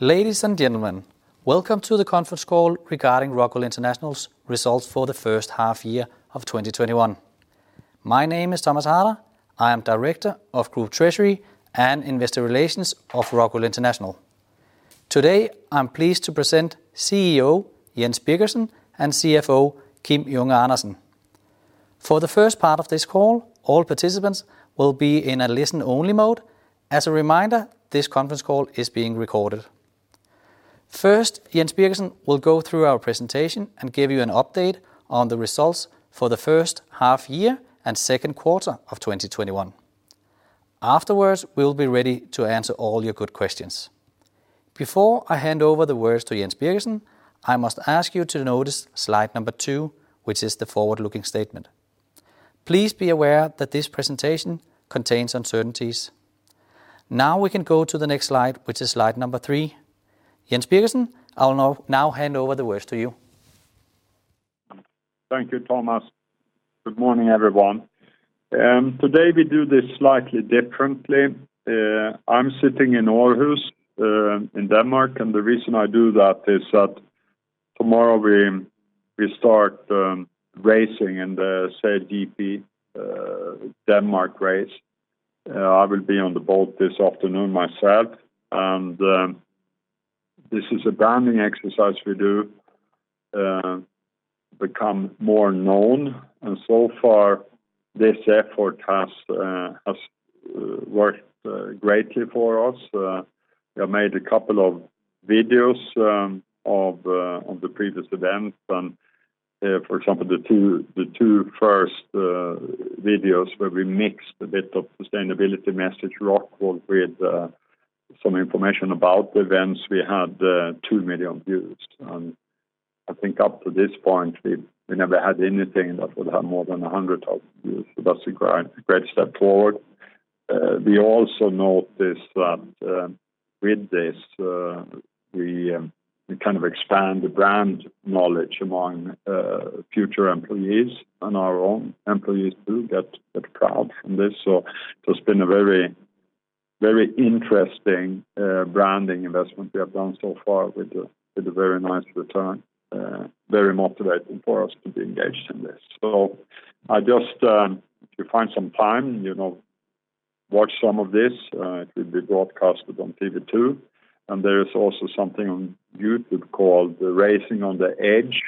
Ladies and gentlemen, welcome to the conference call regarding Rockwool International's results for the first half year of 2021. My name is Thomas Harder. I am Director of Group Treasury and Investor Relations of Rockwool International. Today, I'm pleased to present CEO, Jens Birgersson, and CFO, Kim Junge Andersen. For the first part of this call, all participants will be in a listen-only mode. As a reminder, this conference call is being recorded. First, Jens Birgersson will go through our presentation and give you an update on the results for the first half year and second quarter of 2021. Afterwards, we'll be ready to answer all your good questions. Before I hand over the words to Jens Birgersson, I must ask you to notice slide number two, which is the forward-looking statement. Please be aware that this presentation contains uncertainties. Now we can go to the next slide, which is slide three. Jens Birgersson, I'll now hand over the words to you. Thank you, Thomas. Good morning, everyone. Today, we do this slightly differently. I'm sitting in Aarhus, in Denmark, and the reason I do that is that tomorrow we start racing in the SailGP Denmark race. I will be on the boat this afternoon myself, and this is a branding exercise we do become more known, and so far, this effort has worked greatly for us. We have made a couple of videos of the previous events, and for example, the two first videos where we mixed a bit of sustainability message, Rockwool, with some information about the events, we had two million views. I think up to this point, we never had anything that would have more than 100,000 views. That's a great step forward. We also noticed that with this, we expand the brand knowledge among future employees, and our own employees, too, get proud from this. It's been a very interesting branding investment we have done so far with a very nice return. Very motivating for us to be engaged in this. If you find some time, watch some of this. It will be broadcasted on TV 2, and there is also something on YouTube called the Racing on the Edge,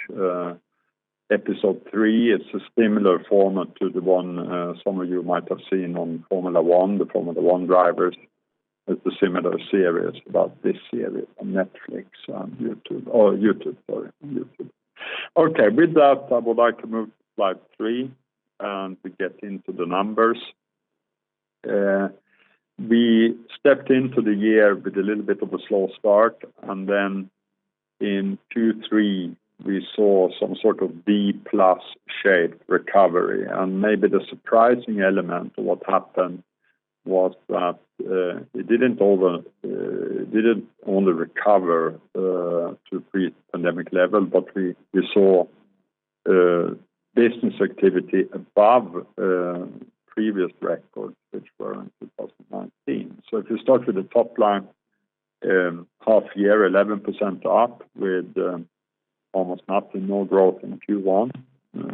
episode 3. It's a similar format to the one some of you might have seen on Formula One, the Formula One drivers. It's a similar series about this series on Netflix and YouTube. Sorry, on YouTube. Okay. With that, I would like to move to slide three and we get into the numbers. We stepped into the year with a little bit of a slow start, and then in Q3, we saw some sort of B-plus shape recovery. Maybe the surprising element of what happened was that it didn't only recover to pre-pandemic level, but we saw business activity above previous records, which were in 2019. If you start with the top line, half year, 11% up with almost nothing, no growth in Q1,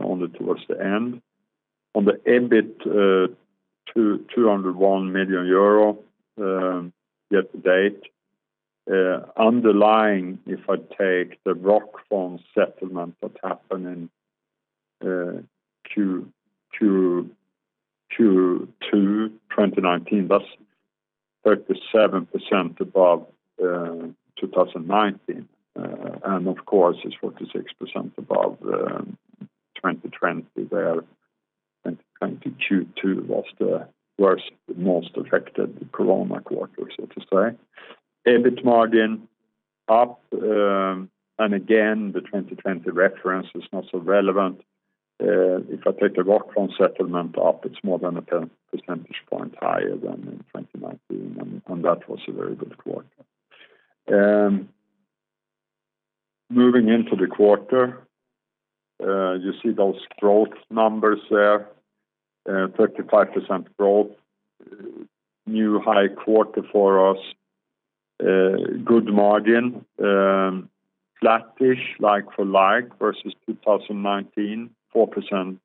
only towards the end. On the EBIT, 201 million euro year to date. Underlying, if I take the Rockfon settlement that happened in Q2 2019, that's 37% above 2019. Of course, it's 46% above 2020, where 2022 was the worst, most affected, Corona quarter, so to say. EBIT margin up, and again, the 2020 reference is not so relevant. If I take the Rockfon settlement up, it's more than a percentage point higher than in 2019, and that was a very good quarter. Moving into the quarter, you see those growth numbers there, 35% growth, new high quarter for us. Good margin. Flattish like for like versus 2019, 4%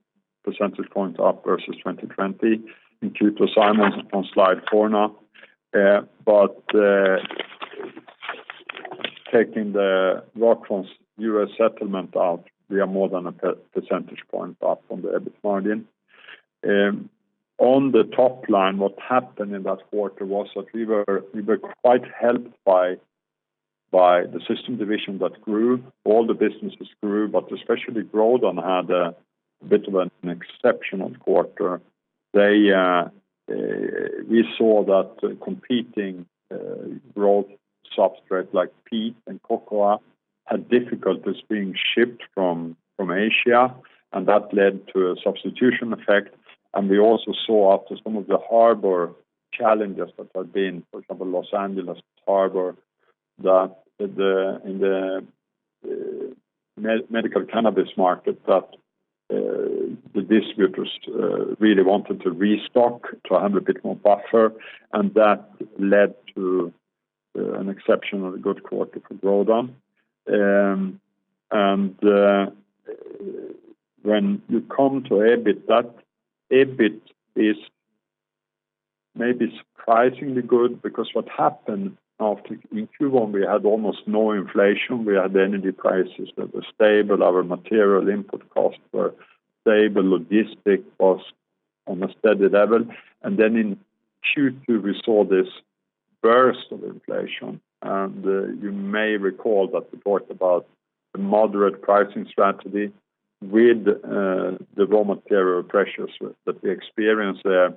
percentage point up versus 2020 in Q2. Simon is on slide four now. Taking the Rockfon U.S. settlement out, we are more than a 1 percentage point up on the EBIT margin. On the top line, what happened in that quarter was that we were quite helped by the System division that grew. All the businesses grew, but especially Grodan had a bit of an exceptional quarter. We saw that competing growth substrates like peat and coco had difficulties being shipped from Asia, and that led to a substitution effect. We also saw after some of the harbor challenges that have been, for example, Los Angeles Harbor, that the Medical cannabis market that the distributors really wanted to restock to have a bit more buffer, and that led to an exceptionally good quarter for Grodan. When you come to EBIT, that EBIT is maybe surprisingly good because what happened after, in Q1, we had almost no inflation. We had energy prices that were stable. Our material input costs were stable. Logistic costs on a steady level. Then in Q2, we saw this burst of inflation. You may recall that we talked about the moderate pricing strategy with the raw material pressures that we experienced there.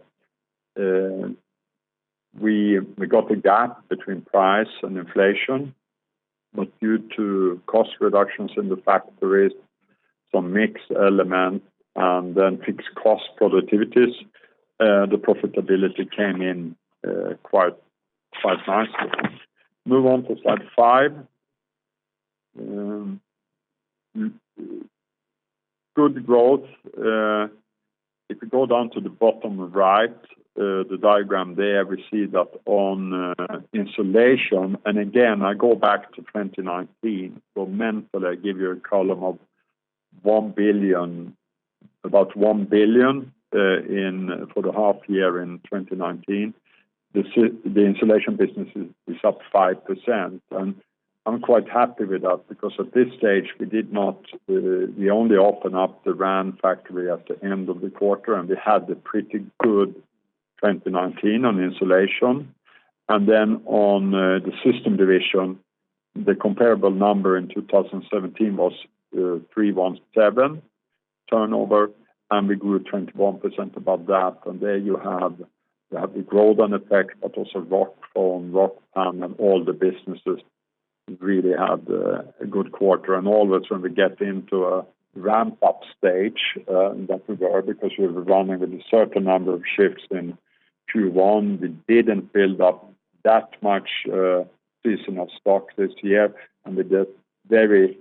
We got a gap between price and inflation, but due to cost reductions in the factories, some mix elements, and then fixed cost productivities, the profitability came in quite nicely. Move on to slide five. Good growth. If you go down to the bottom right, the diagram there, we see that on insulation, and again, I go back to 2019. Mentally, I give you a column of about 1 billion for the half year in 2019. The insulation business is up 5%, and I'm quite happy with that because, at this stage, we only open up the Ranson factory at the end of the quarter, and we had a pretty good 2019 on insulation. On the System division, the comparable number in 2017 was 317 turnover, and we grew 21% above that. There you have the Grodan effect, but also Rockfon, Rockpanel, and all the businesses really had a good quarter. All that when we get into a ramp-up stage that we were because we were running with a certain number of shifts in Q1. We didn't build up that much seasonal stock this year, and we got very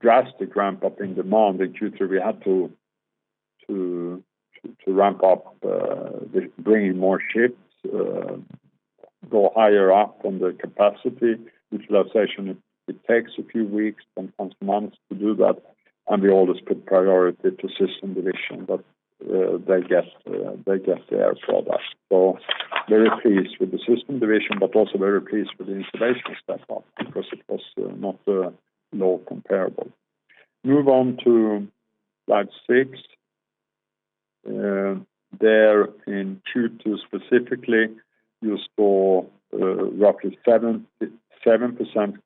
drastic ramp-up in demand. In Q2, we had to ramp up, bring in more shifts, go higher up on the capacity utilization. It takes a few weeks, sometimes months to do that, and we always put priority to System Division, but they get theirs for that. Very pleased with the System Division, but also very pleased with the Insulation step-up because it was not a low comparable. Move on to slide six. There in Q2 specifically, you saw roughly 7%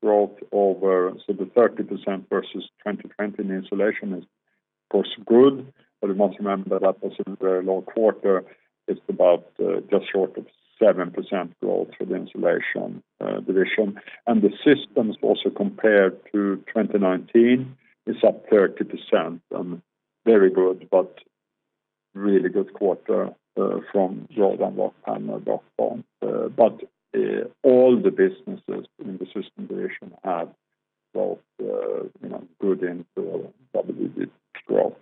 growth over, so the 30% versus 2020 in Insulation is of course good, but you must remember that was a very low quarter. It's about just short of 7% growth for the Insulation Division. The Systems also compared to 2019 is up 30%, and very good, but really good quarter from Grodan, Rockpanel, and Rockfon. All the businesses in the System Division had both good input and double-digit growth.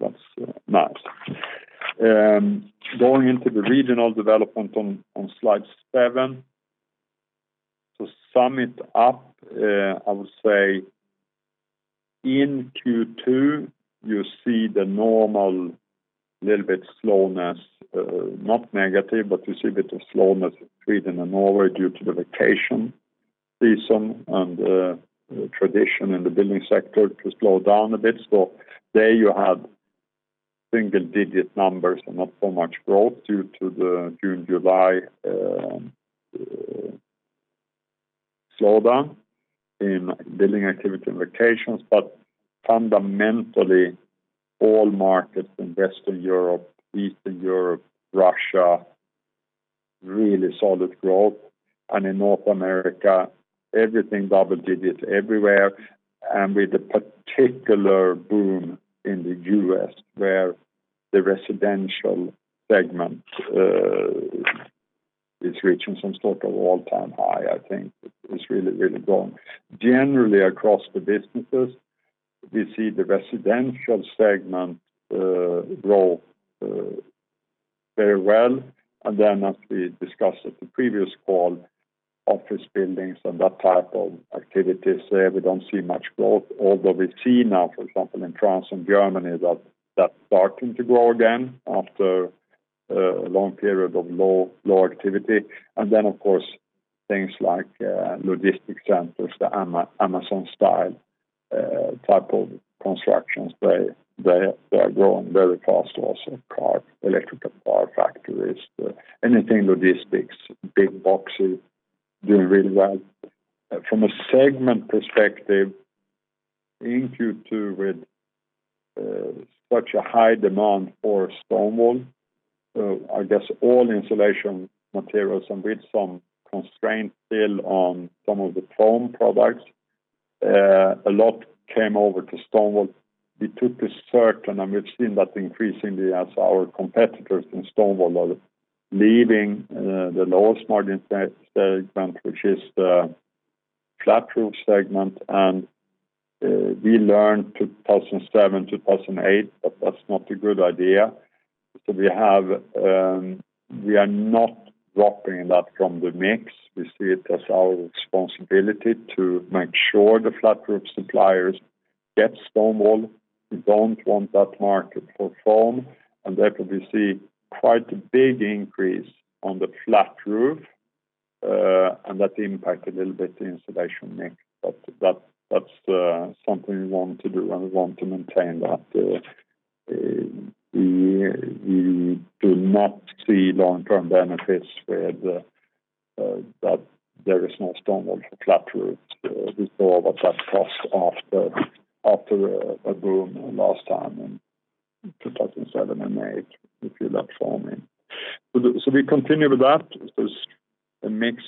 That's nice. Going into the regional development on slide seven. To sum it up, I would say in Q2, you see the normal little bit slowness, not negative, but you see a bit of slowness in Sweden and Norway due to the vacation season and the tradition in the building sector to slow down a bit. There you had single-digit numbers and not so much growth due to the June, July slowdown in building activity and vacations. Fundamentally, all markets in Western Europe, Eastern Europe, Russia, really solid growth. In North America, everything double digits everywhere, and with a particular boom in the U.S., where the residential segment is reaching some sort of all-time high, I think. It's really going. Generally across the businesses, we see the residential segment grow very well. As we discussed at the previous call, office buildings and that type of activities there, we don't see much growth. We see now, for example, in France and Germany, that that's starting to grow again after a long period of low activity. Of course, things like logistic centers, the Amazon-style type of constructions, they are growing very fast also. Car, electrical car factories, anything logistics, big boxes doing really well. From a segment perspective, in Q2 with such a high demand for stone wool, I guess all insulation materials and with some constraint still on some of the foam products, a lot came over to stone wool. We took a certain, we've seen that increasingly as our competitors in stone wool are leaving the lowest margin segment, which is the flat roof segment. We learned 2007, 2008, that's not a good idea. We are not dropping that from the mix. We see it as our responsibility to make sure the flat roof suppliers get stone wool. We don't want that market to form, and there we see quite a big increase on the flat roof, and that impact a little bit the insulation mix. That's something we want to do, and we want to maintain that. We do not see long-term benefits with that there is no stone wool for flat roofs. We saw what that caused after a boom last time in 2007 and 2008, we see that forming. We continue with that. The mix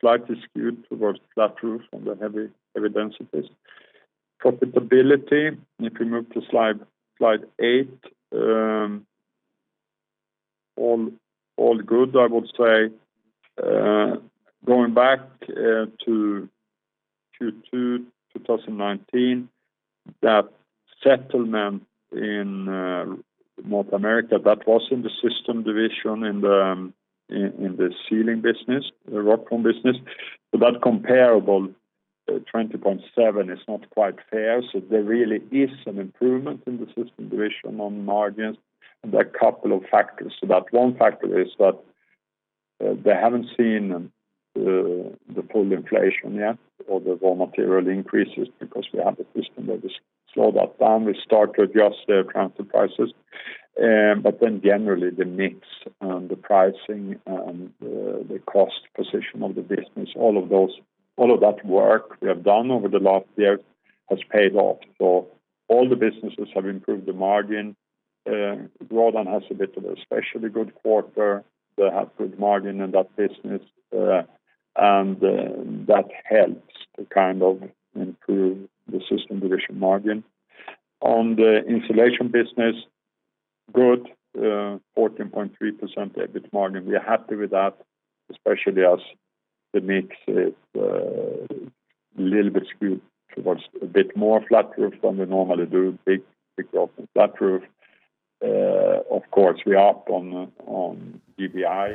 slightly skewed towards flat roof and the heavy densities. Profitability, if you move to slide eight, all good, I would say. Going back to Q2 2019, that settlement in North America, that was in the system division in the ceiling business, the Rockfon business. That comparable 20.7% is not quite fair. There really is some improvement in the System Division on margins and there are a couple of factors. That one factor is that they haven't seen the full inflation yet or the raw material increases because we have a system that we slow that down. We start to adjust the counter prices. Generally, the mix and the pricing and the cost position of the business, all of that work we have done over the last year has paid off. All the businesses have improved the margin. Grodan has a bit of an especially good quarter. They have good margin in that business, and that helps to improve the System Division margin. On the Insulation Business, good 14.3% EBIT margin. We are happy with that, especially as the mix is a little bit skewed towards a bit more flat roof than we normally do, big growth in flat roof. Of course, we opt on GBI.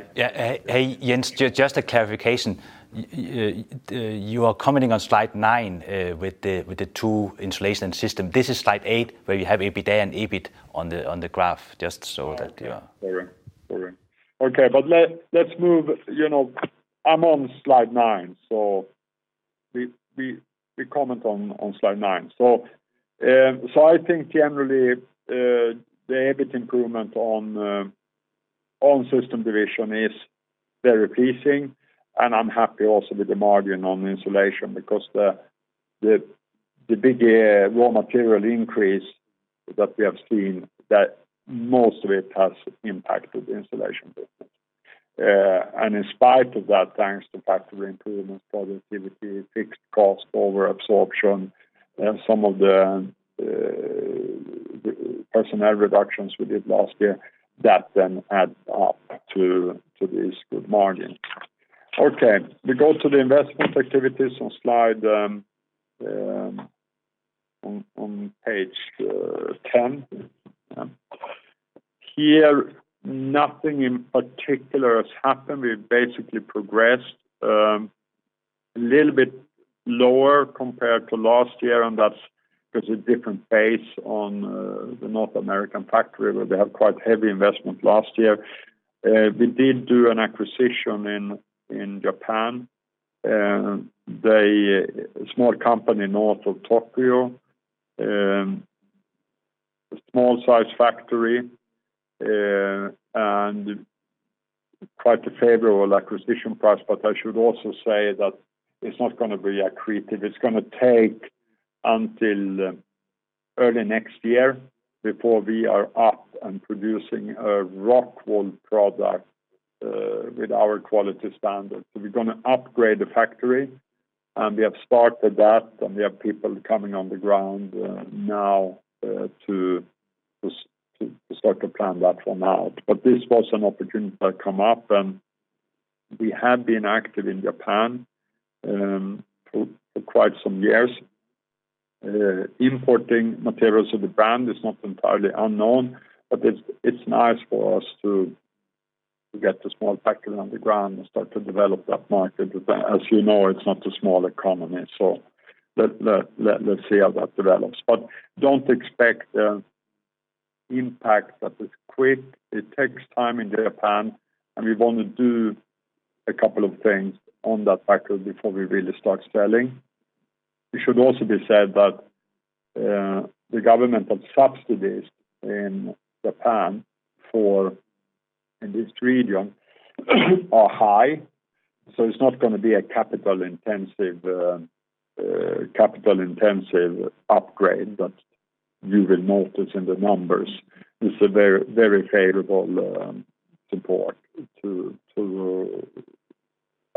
Jens, just a clarification. You are commenting on slide nine, with the two insulation system. This is slide eight, where you have EBITDA and EBIT on the graph. Sorry. Okay, I'm on slide nine. We comment on slide nine. I think generally, the EBIT improvement on System division is very pleasing, and I'm happy also with the margin on the insulation because the big raw material increase that we have seen, most of it has impacted the insulation business. In spite of that, thanks to factory improvements, productivity, fixed cost over absorption, and some of the personnel reductions we did last year, that adds up to this good margin. Okay. We go to the investment activities on page 10. Here, nothing in particular has happened. We've basically progressed a little bit lower compared to last year, and that's because of different pace on the North American factory where they had quite heavy investment last year. We did do an acquisition in Japan, a small company north of Tokyo, a small size factory, and quite a favorable acquisition price. I should also say that it's not going to be accretive. It's going to take until early next year before we are up and producing a Rockwool product with our quality standards. We're going to upgrade the factory, and we have started that, and we have people coming on the ground now to start to plan that one out. This was an opportunity that come up, and we have been active in Japan for quite some years. Importing materials to the brand is not entirely unknown, but it's nice for us to get a small factory on the ground and start to develop that market. As you know, it's not a small economy, so let's see how that develops. Don't expect impact that is quick. It takes time in Japan, and we want to do a couple of things on that factory before we really start selling. It should also be said that the government subsidies in Japan in this region are high, it's not going to be a capital-intensive upgrade that you will notice in the numbers. It's a very favorable support to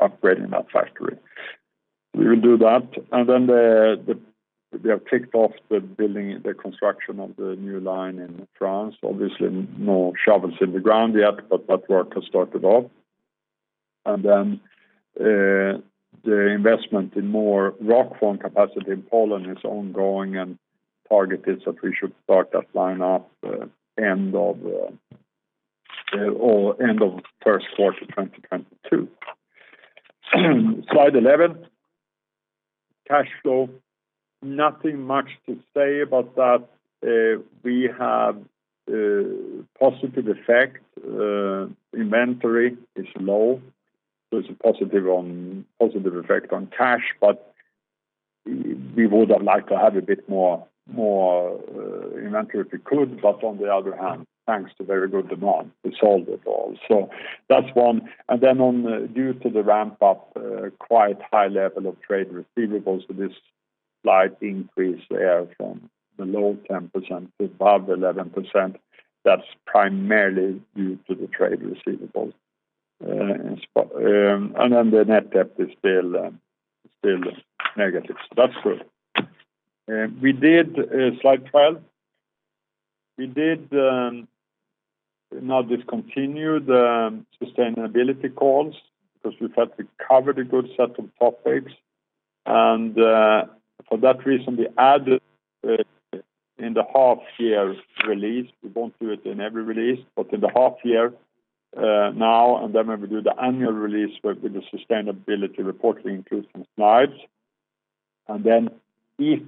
upgrading that factory. We will do that, we have kicked off the construction of the new line in France. No shovels in the ground yet, that work has started off. The investment in more Rockfon capacity in Poland is ongoing, target is that we should start that line up end of first quarter 2022. Slide 11, cash flow. Nothing much to say about that. We have a positive effect. Inventory is low, so it's a positive effect on cash, but we would have liked to have a bit more inventory if we could. On the other hand, thanks to very good demand, we sold it all. That's one. Due to the ramp-up, quite high level of trade receivables with this slight increase there from the low 10% to above 11%. That's primarily due to the trade receivables. The net debt is still negative, so that's good. Slide 12. We did not discontinue the sustainability calls because we felt we covered a good set of topics. For that reason, we add it in the half year release. We won't do it in every release, but in the half year now, and then when we do the annual release with the sustainability reporting included slides. If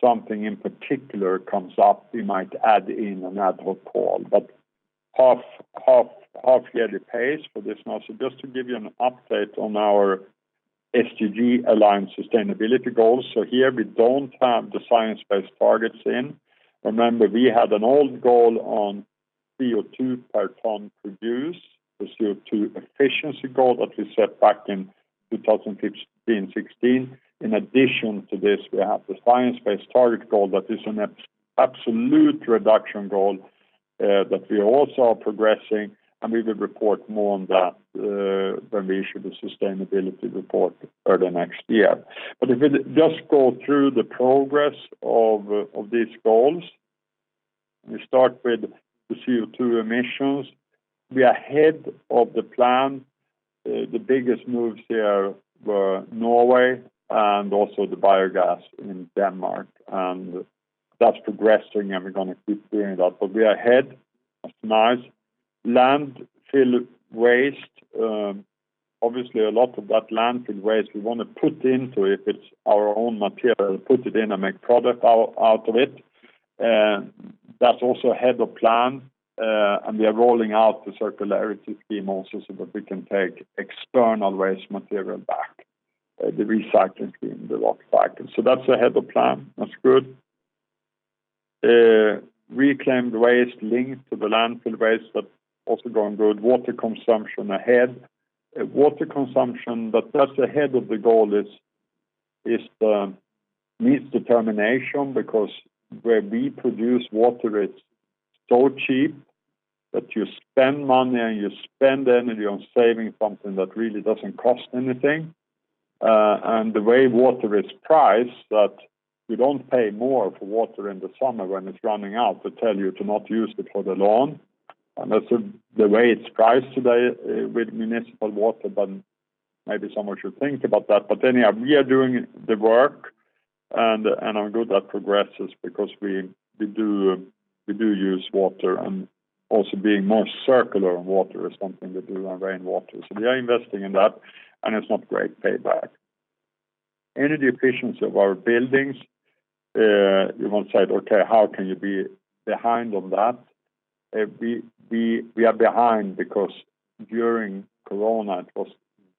something in particular comes up, we might add in an ad hoc call. Half-yearly pace for this now. Just to give you an update on our SDG-aligned sustainability goals. Here we don't have the Science-Based Targets in. Remember, we had an old goal on CO2 per ton produced, the CO2 efficiency goal that we set back in 2015/16. In addition to this, we have the Science-Based Target goal that is an absolute reduction goal that we also are progressing, and we will report more on that when we issue the sustainability report early next year. If we just go through the progress of these goals, we start with the CO2 emissions. We are ahead of the plan. The biggest moves here were Norway and also the biogas in Denmark, and that's progressing and we're going to keep doing that. We are ahead. That's nice. Landfill waste. Obviously, a lot of that landfill waste we want to put into it. If it's our own material, put it in and make product out of it. That's also ahead of plan. We are rolling out the circularity scheme also so that we can take external waste material back, the recycling bin, the Rockcycle. That's ahead of plan. That's good. Reclaimed waste linked to the landfill waste but also going good. Water consumption ahead. Water consumption, that's ahead of the goal is the misdetermination because where we produce water it's so cheap that you spend money and you spend energy on saving something that really doesn't cost anything. The way water is priced that you don't pay more for water in the summer when it's running out to tell you to not use it for the lawn. That's the way it's priced today with municipal water, but maybe someone should think about that. Anyhow, we are doing the work and are good that progresses because we do use water and also being more circular on water is something we do on rainwater. We are investing in that and it's not great payback. Energy efficiency of our buildings, you won't say, "Okay, how can you be behind on that?" We are behind because during COVID, it was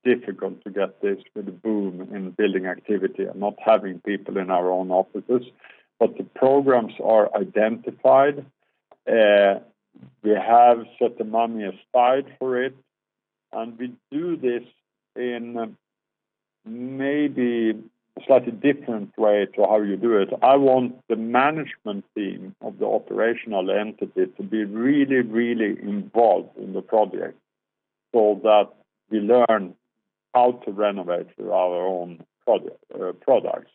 difficult to get this with the boom in building activity and not having people in our own offices. The programs are identified. We have set the money aside for it, and we do this in maybe a slightly different way to how you do it. I want the management team of the operational entity to be really, really involved in the project so that we learn how to renovate with our own products.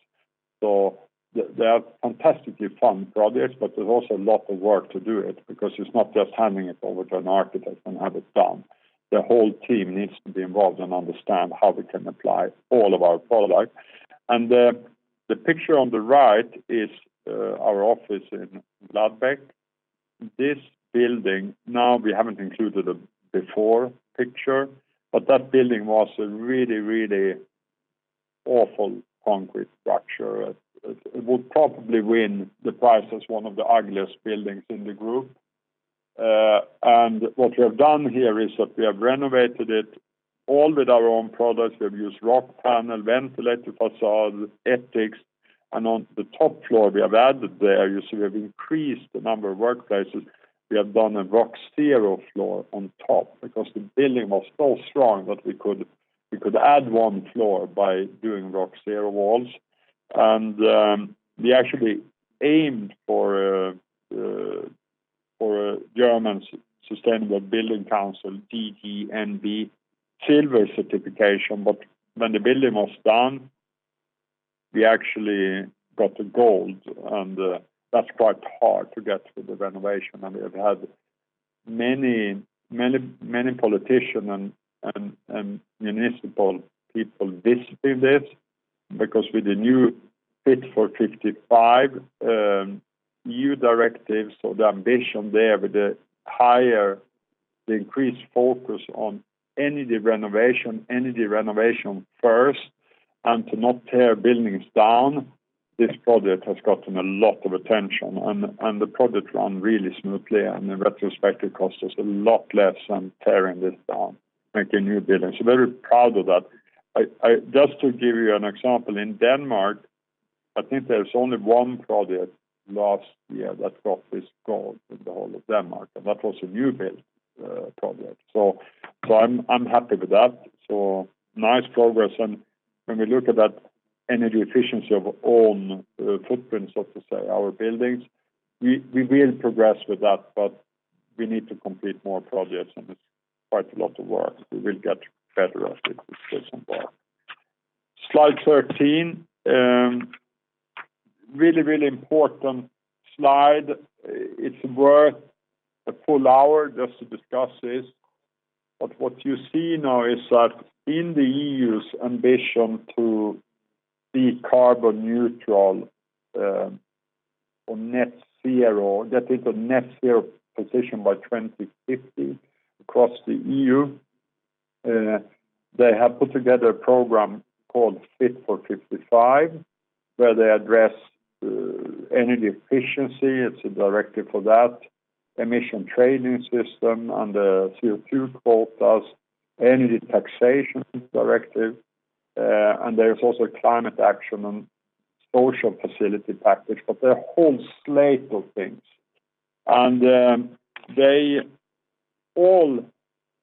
They are fantastically fun projects, but there is also a lot of work to do it because it is not just handing it over to an architect and have it done. The whole team needs to be involved and understand how we can apply all of our products. The picture on the right is our office in Gladbeck. This building, now we haven't included a before picture, but that building was a really, really awful concrete structure. It would probably win the prize as one of the ugliest buildings in the group. What we have done here is that we have renovated it all with our own products. We have used Rockpanel, ventilated façade, ETICS, and on the top floor we have added there, you see we have increased the number of workplaces. We have done a Rockzero floor on top because the building was so strong that we could add one floor by doing Rockzero walls. We actually aimed for a German sustainable building council, DGNB Silver certification. When the building was done, we actually got the gold, and that's quite hard to get through the renovation. We have had many politician and municipal people visit this because with the new Fit for 55 new directives or the ambition there with the increased focus on energy renovation first and to not tear buildings down, this project has gotten a lot of attention. The project ran really smoothly and in retrospect, it cost us a lot less than tearing this down, make a new building. Very proud of that. Just to give you an example, in Denmark, I think there's only one project last year that got this gold in the whole of Denmark, and that was a new build project. I'm happy with that. Nice progress. When we look at that energy efficiency of own footprint, so to say, our buildings, we will progress with that, but we need to complete more projects, and it's quite a lot of work. We will get better at it, but still some work. Slide 13. Really important slide. It's worth a full hour just to discuss this. What you see now is that in the EU's ambition to be carbon neutral or net zero, get into net zero position by 2050 across the EU, they have put together a program called Fit for 55, where they address energy efficiency. It's a directive for that. Emission trading system and the CO2 quotas, energy taxation directive, and there's also a Climate Action and Social Facility Package. There are a whole slate of things. They all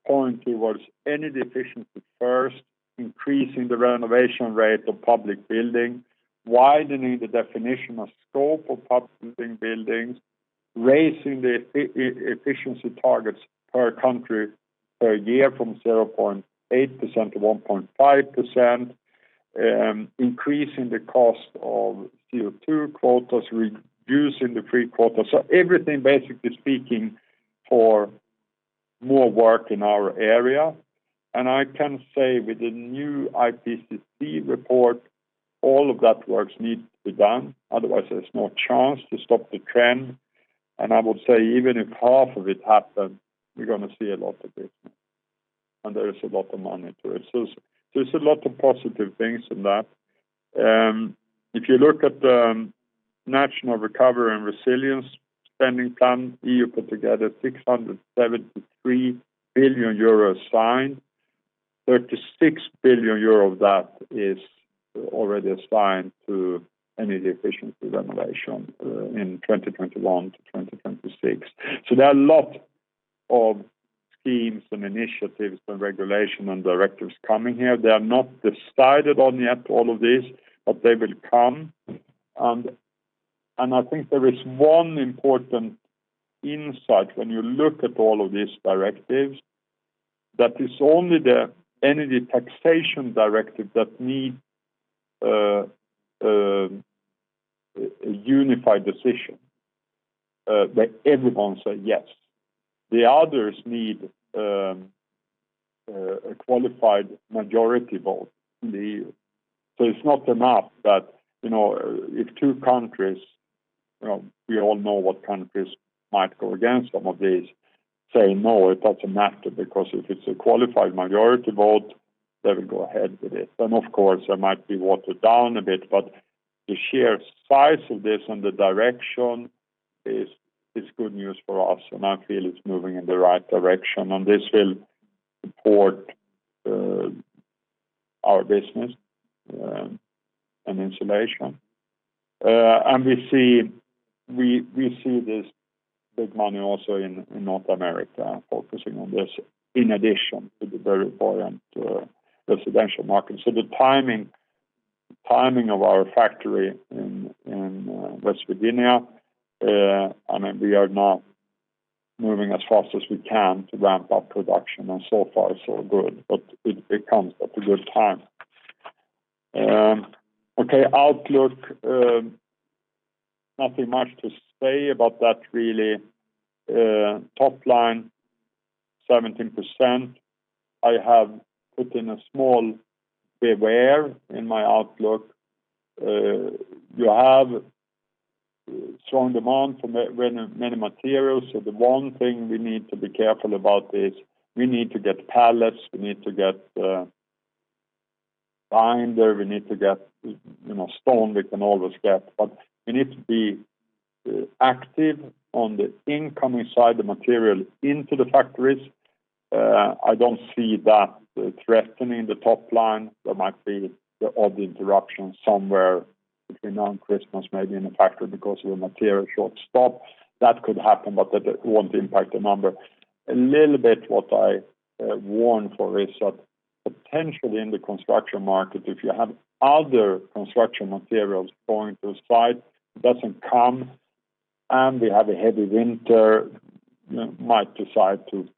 point towards energy efficiency first, increasing the renovation rate of public building, widening the definition of scope of public buildings, raising the efficiency targets per country per year from 0.8% to 1.5%, increasing the cost of CO2 quotas, reducing the free quota. Everything basically speaking for more work in our area. I can say with the new IPCC report, all of that works need to be done. Otherwise, there's no chance to stop the trend. I would say even if half of it happens, we're going to see a lot of business, and there is a lot of money to it. There's a lot of positive things in that. If you look at the National Recovery and Resilience Facility, EU put together 673 billion euros assigned, 36 billion euros of that is already assigned to energy efficiency renovation in 2021-2026. There are a lot of schemes and initiatives and regulation and directives coming here. They are not decided on yet, all of this, but they will come. I think there is one important insight when you look at all of these directives, that it's only the energy taxation directive that need a unified decision, that everyone say yes. The others need a qualified majority vote in the EU. It's not enough that if two countries, we all know what countries might go against some of these, say no, it doesn't matter because if it's a qualified majority vote, they will go ahead with it. Of course, they might be watered down a bit, but the sheer size of this and the direction is good news for us, and I feel it's moving in the right direction and this will support our business in insulation. We see this big money also in North America focusing on this in addition to the very important residential market. The timing of our factory in West Virginia, we are now moving as fast as we can to ramp up production, and so far so good. It comes at a good time. Okay, outlook. Nothing much to say about that really. Top line, 17%. I have put in a small beware in my outlook. You have strong demand for many materials. The one thing we need to be careful about is we need to get pallets, we need to get binder, we need to get stone, we can always get. We need to be active on the incoming side, the material into the factories. I don't see that threatening the top line. There might be the odd interruption somewhere between now and Christmas, maybe in a factory because of a material short stop. That could happen, but that won't impact the number. A little bit what I warn for is that potentially in the construction market, if you have other construction materials going to a site, it doesn't come, and we have a heavy winter, might decide to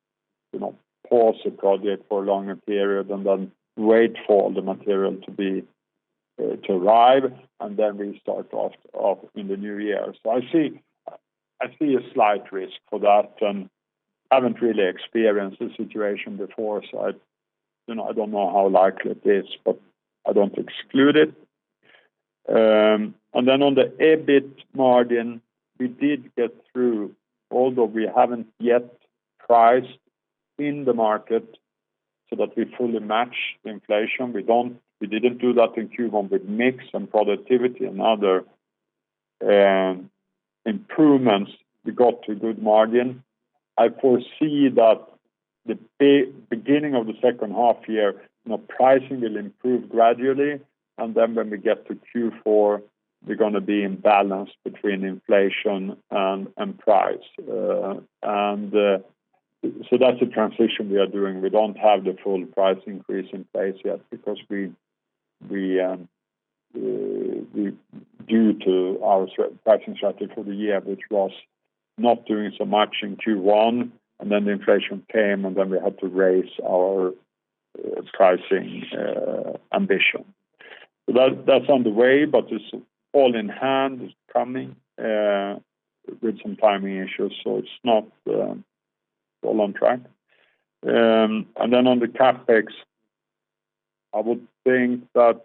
pause the project for a longer period and then wait for all the material to arrive, and then restart off in the new year. I see a slight risk for that, and haven't really experienced this situation before, so I don't know how likely it is, but I don't exclude it. Then on the EBIT margin, we did get through, although we haven't yet priced in the market so that we fully match the inflation. We didn't do that in Q1 with mix and productivity and other improvements, we got to a good margin. I foresee that the beginning of the second half year, pricing will improve gradually, and then when we get to Q4, we're going to be in balance between inflation and price. That's a transition we are doing. We don't have the full price increase in place yet due to our pricing strategy for the year, which was not doing so much in Q1, and then the inflation came, and then we had to raise our pricing ambition. That's on the way, but it's all in hand. It's coming with some timing issues, so it's not all on track. On the CapEx, I would think that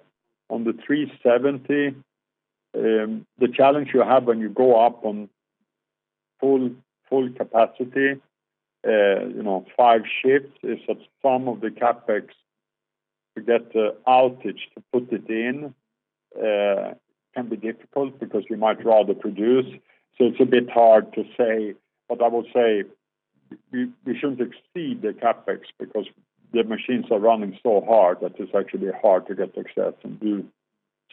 on the 370, the challenge you have when you go up on full capacity, five shifts, is that some of the CapEx to get the outage to put it in can be difficult because we might rather produce, so it's a bit hard to say. I would say we shouldn't exceed the CapEx because the machines are running so hard that it's actually hard to get access and do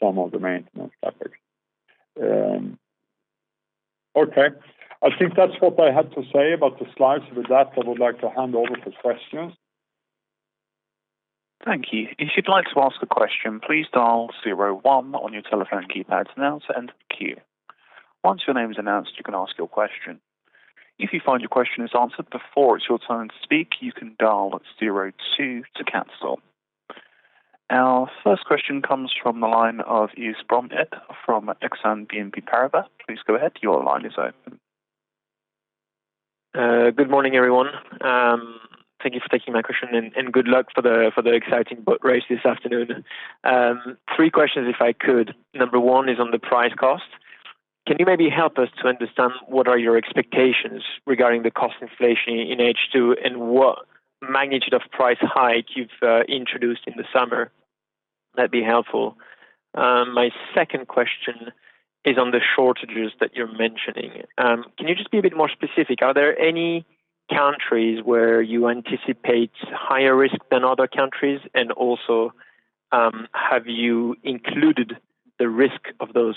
some of the maintenance CapEx. Okay, I think that's what I had to say about the slides. With that, I would like to hand over to questions. Thank you. Our first question comes from the line of Yves Bromehead from Exane BNP Paribas. Good morning, everyone. Thank you for taking my question, and good luck for the exciting boat race this afternoon. Three questions, if I could. Number one is on the price cost. Can you maybe help us to understand what are your expectations regarding the cost inflation in H2 and what magnitude of price hike you've introduced in the summer? That'd be helpful. My second question is on the shortages that you're mentioning. Can you just be a bit more specific? Are there any countries where you anticipate higher risk than other countries? Also, have you included the risk of those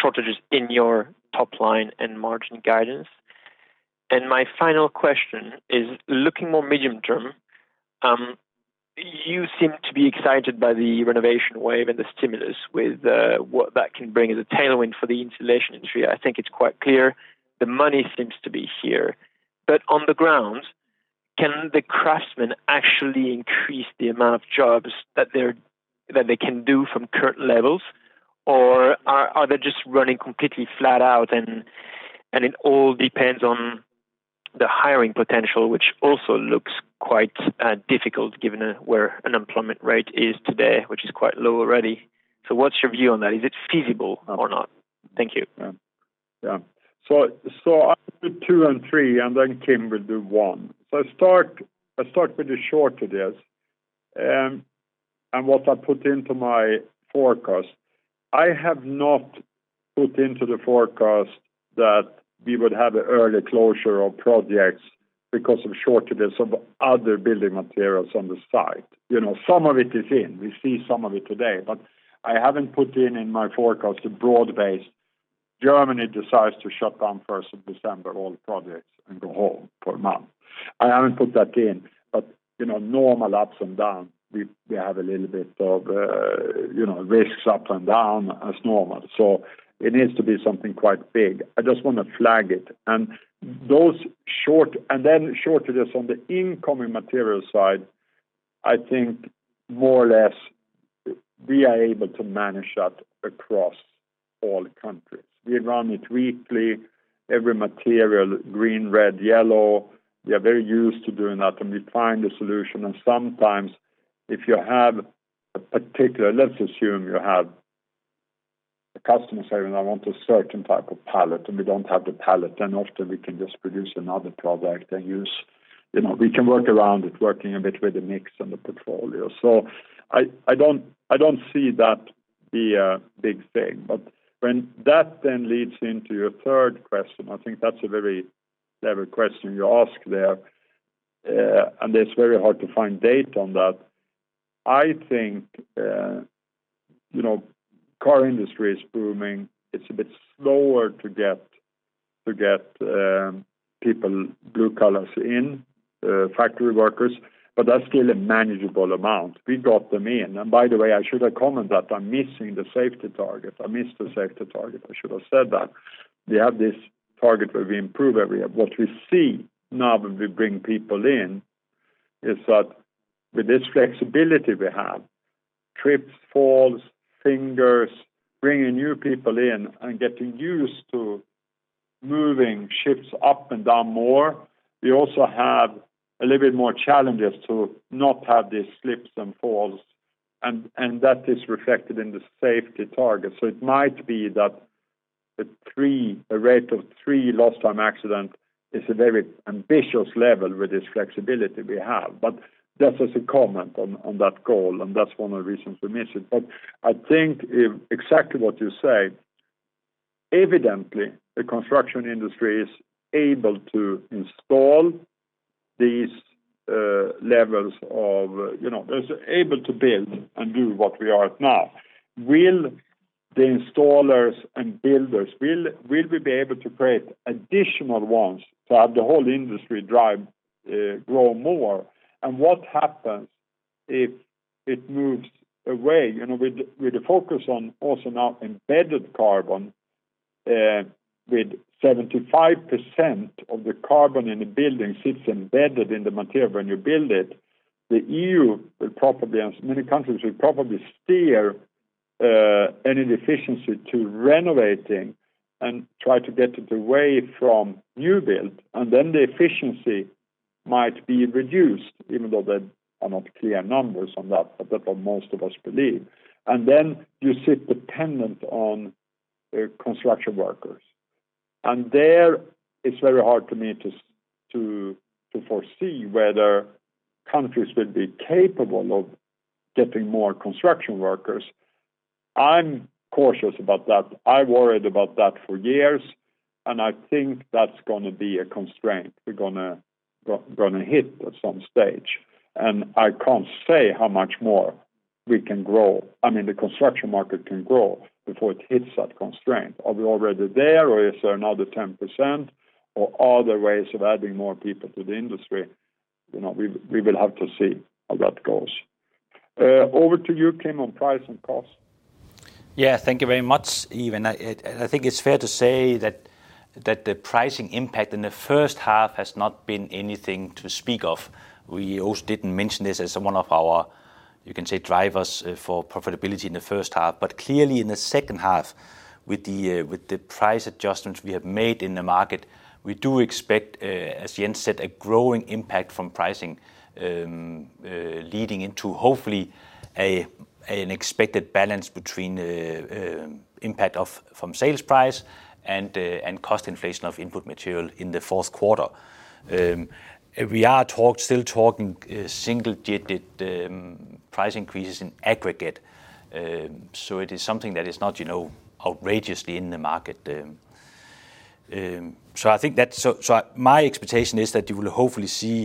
shortages in your top line and margin guidance? My final question is, looking more medium term, you seem to be excited by the renovation wave and the stimulus with what that can bring as a tailwind for the insulation industry. I think it's quite clear the money seems to be here. On the ground, can the craftsmen actually increase the amount of jobs that they can do from current levels, or are they just running completely flat out, and it all depends on the hiring potential, which also looks quite difficult given where unemployment rate is today, which is quite low already. What's your view on that? Is it feasible or not? Thank you. I'll do two and three, and then Kim will do one. I start with the shortages and what I put into my forecast. I have not put into the forecast that we would have an early closure of projects because of shortages of other building materials on the site. Some of it is in, we see some of it today, but I haven't put in my forecast, a broad base. Germany decides to shut down first of December, all projects, and go home for a month. I haven't put that in, but normal ups and down, we have a little bit of risks up and down as normal. It needs to be something quite big. I just want to flag it. Shortages on the incoming material side, I think more or less we are able to manage that across all countries. We run it weekly, every material, green, red, yellow. We are very used to doing that, and we find a solution, and sometimes if you have a particular Let's assume you have a customer saying, "I want a certain type of pallet," and we don't have the pallet, then often we can just produce another product and use. We can work around it, working a bit with the mix and the portfolio. I don't see that be a big thing. That leads into your third question. I think. The car industry is booming. It's a bit slower to get people, blue collars in, factory workers, but that's still a manageable amount. We got them in. By the way, I should have commented that I'm missing the safety target. I missed the safety target. I should have said that. We have this target where we improve every year. What we see now that we bring people in, is that with this flexibility we have, trips, falls, fingers, bringing new people in and getting used to moving shifts up and down more, we also have a little bit more challenges to not have these slips and falls, and that is reflected in the safety target. It might be that a rate of three lost time accident is a very ambitious level with this flexibility we have. That's just a comment on that goal, and that's one of the reasons we missed it. I think exactly what you say, evidently, the construction industry is able to build and do what we are at now. Will the installers and builders, will we be able to create additional ones to have the whole industry grow more? What happens if it moves away? With the focus on also now embedded carbon, with 75% of the carbon in a building sits embedded in the material when you build it, the EU will probably, and many countries, will probably steer any deficiency to renovating and try to get it away from new build, and then the efficiency might be reduced, even though there are not clear numbers on that, but that's what most of us believe. You sit dependent on construction workers. There, it's very hard for me to foresee whether countries will be capable of getting more construction workers. I'm cautious about that. I worried about that for years, and I think that's going to be a constraint we're going to hit at some stage. I can't say how much more we can grow. I mean, the construction market can grow before it hits that constraint. Are we already there, or is there another 10%, or are there ways of adding more people to the industry? We will have to see how that goes. Over to you, Kim, on price and cost. Thank you very much, Yves. I think it's fair to say that the pricing impact in the first half has not been anything to speak of. We also didn't mention this as one of our, you can say, drivers for profitability in the first half. Clearly in the second half, with the price adjustments we have made in the market, we do expect, as Jens said, a growing impact from pricing, leading into, hopefully, an expected balance between impact from sales price and cost inflation of input material in the fourth quarter. We are still talking single-digit price increases in aggregate. It is something that is not outrageously in the market. My expectation is that you will hopefully see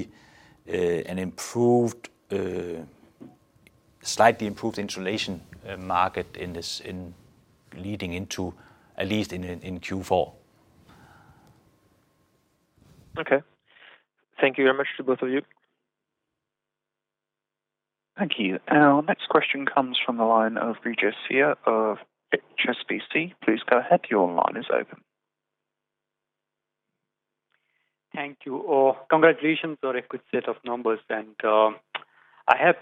a slightly improved insulation market leading into at least in Q4. Okay. Thank you very much to both of you. Thank you. Our next question comes from the line of Brijesh Siya of HSBC. Please go ahead. Your line is open. Thank you. Congratulations on a good set of numbers. I have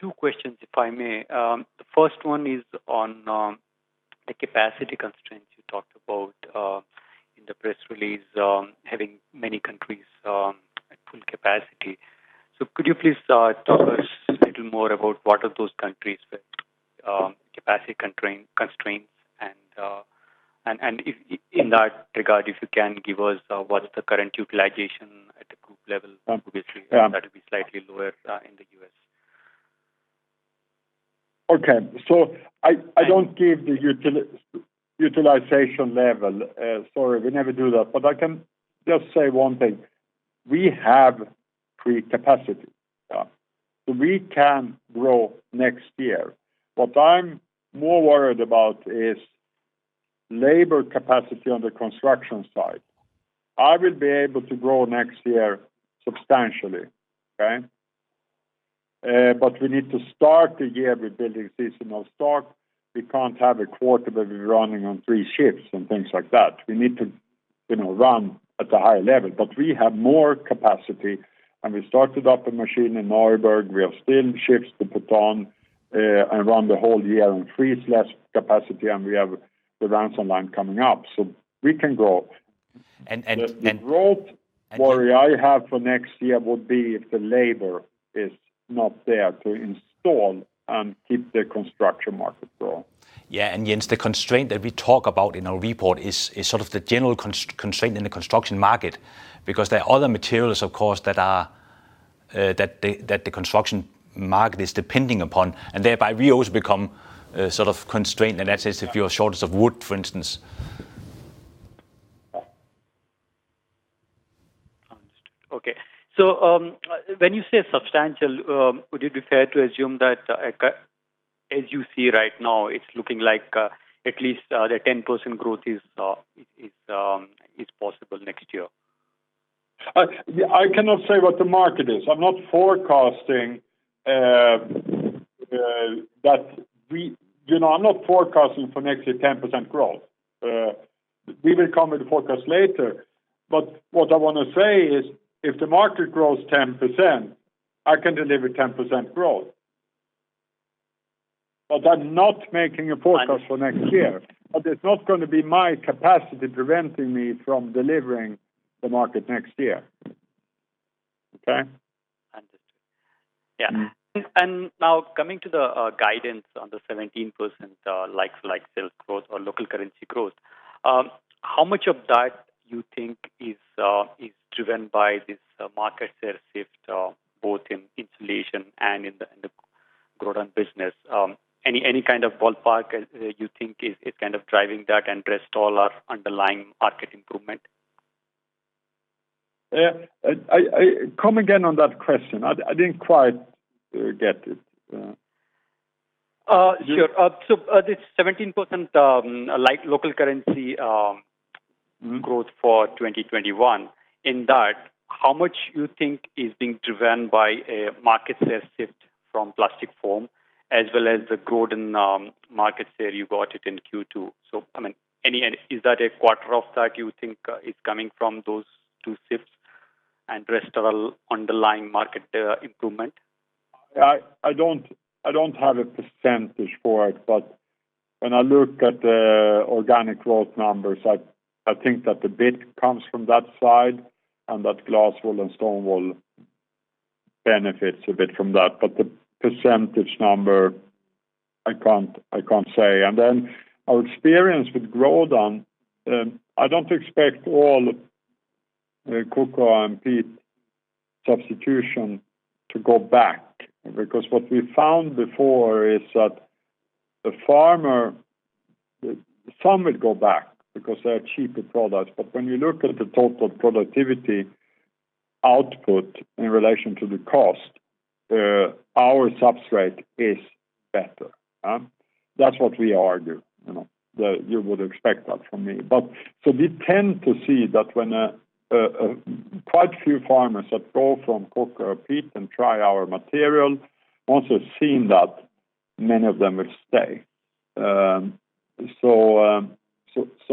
two questions, if I may. The first one is on the capacity constraints you talked about in the press release, having many countries at full capacity. Could you please talk a little more about what are those countries with capacity constraints, and in that regard, if you can give us what is the current utilization at the group level previously that will be slightly lower in the U.S.? Okay. I don't give the utilization level. Sorry, we never do that. I can just say one thing. We have free capacity. Yeah. We can grow next year. What I'm more worried about is labor capacity on the construction side. I will be able to grow next year substantially. Okay? We need to start the year with building seasonal stock. We can't have a quarter where we're running on three shifts and things like that. We need to run at a higher level. We have more capacity, and we started up a machine in Neuburg. We have still shifts to put on and run the whole year and freeze less capacity, and we have the Ranson line coming up, we can grow. And- The growth worry I have for next year would be if the labor is not there to install and keep the construction market going. Yeah, Jens, the constraint that we talk about in our report is sort of the general constraint in the construction market because there are other materials, of course, that the construction market is depending upon, and thereby we also become sort of constrained. That is if you are short of wood, for instance. When you say substantial, would it be fair to assume that as you see right now, it's looking like at least 10% growth is possible next year? I cannot say what the market is. I'm not forecasting for next year 10% growth. We will come with a forecast later. What I want to say is, if the market grows 10%, I can deliver 10% growth. I'm not making a forecast for next year. It's not going to be my capacity preventing me from delivering the market next year. Okay? Understood. Yeah. Now coming to the guidance on the 17% like-for-like sales growth or local currency growth, how much of that you think is driven by this market share shift, both in insulation and in the Grodan business? Any kind of ballpark you think is kind of driving that and rest all are underlying market improvement? Come again on that question. I didn't quite get it. Sure. This 17% local currency growth for 2021, in that, how much you think is being driven by a market share shift from plastic foam as well as the Grodan market share you got it in Q2? I mean, is that a quarter of that you think is coming from those two shifts and rest are underlying market improvement? I don't have a percentage for it, but when I look at the organic growth numbers, I think that a bit comes from that side and that glass wool and stone wool benefits a bit from that. The percentage number, I can't say. Our experience with Grodan, I don't expect all the coco and peat substitution to go back. What we found before is that some would go back because they're a cheaper product. When you look at the total productivity output in relation to the cost, our substrate is better. That's what we argue. You would expect that from me. We tend to see that when quite a few farmers that go from coco peat and try our material, once they've seen that, many of them will stay.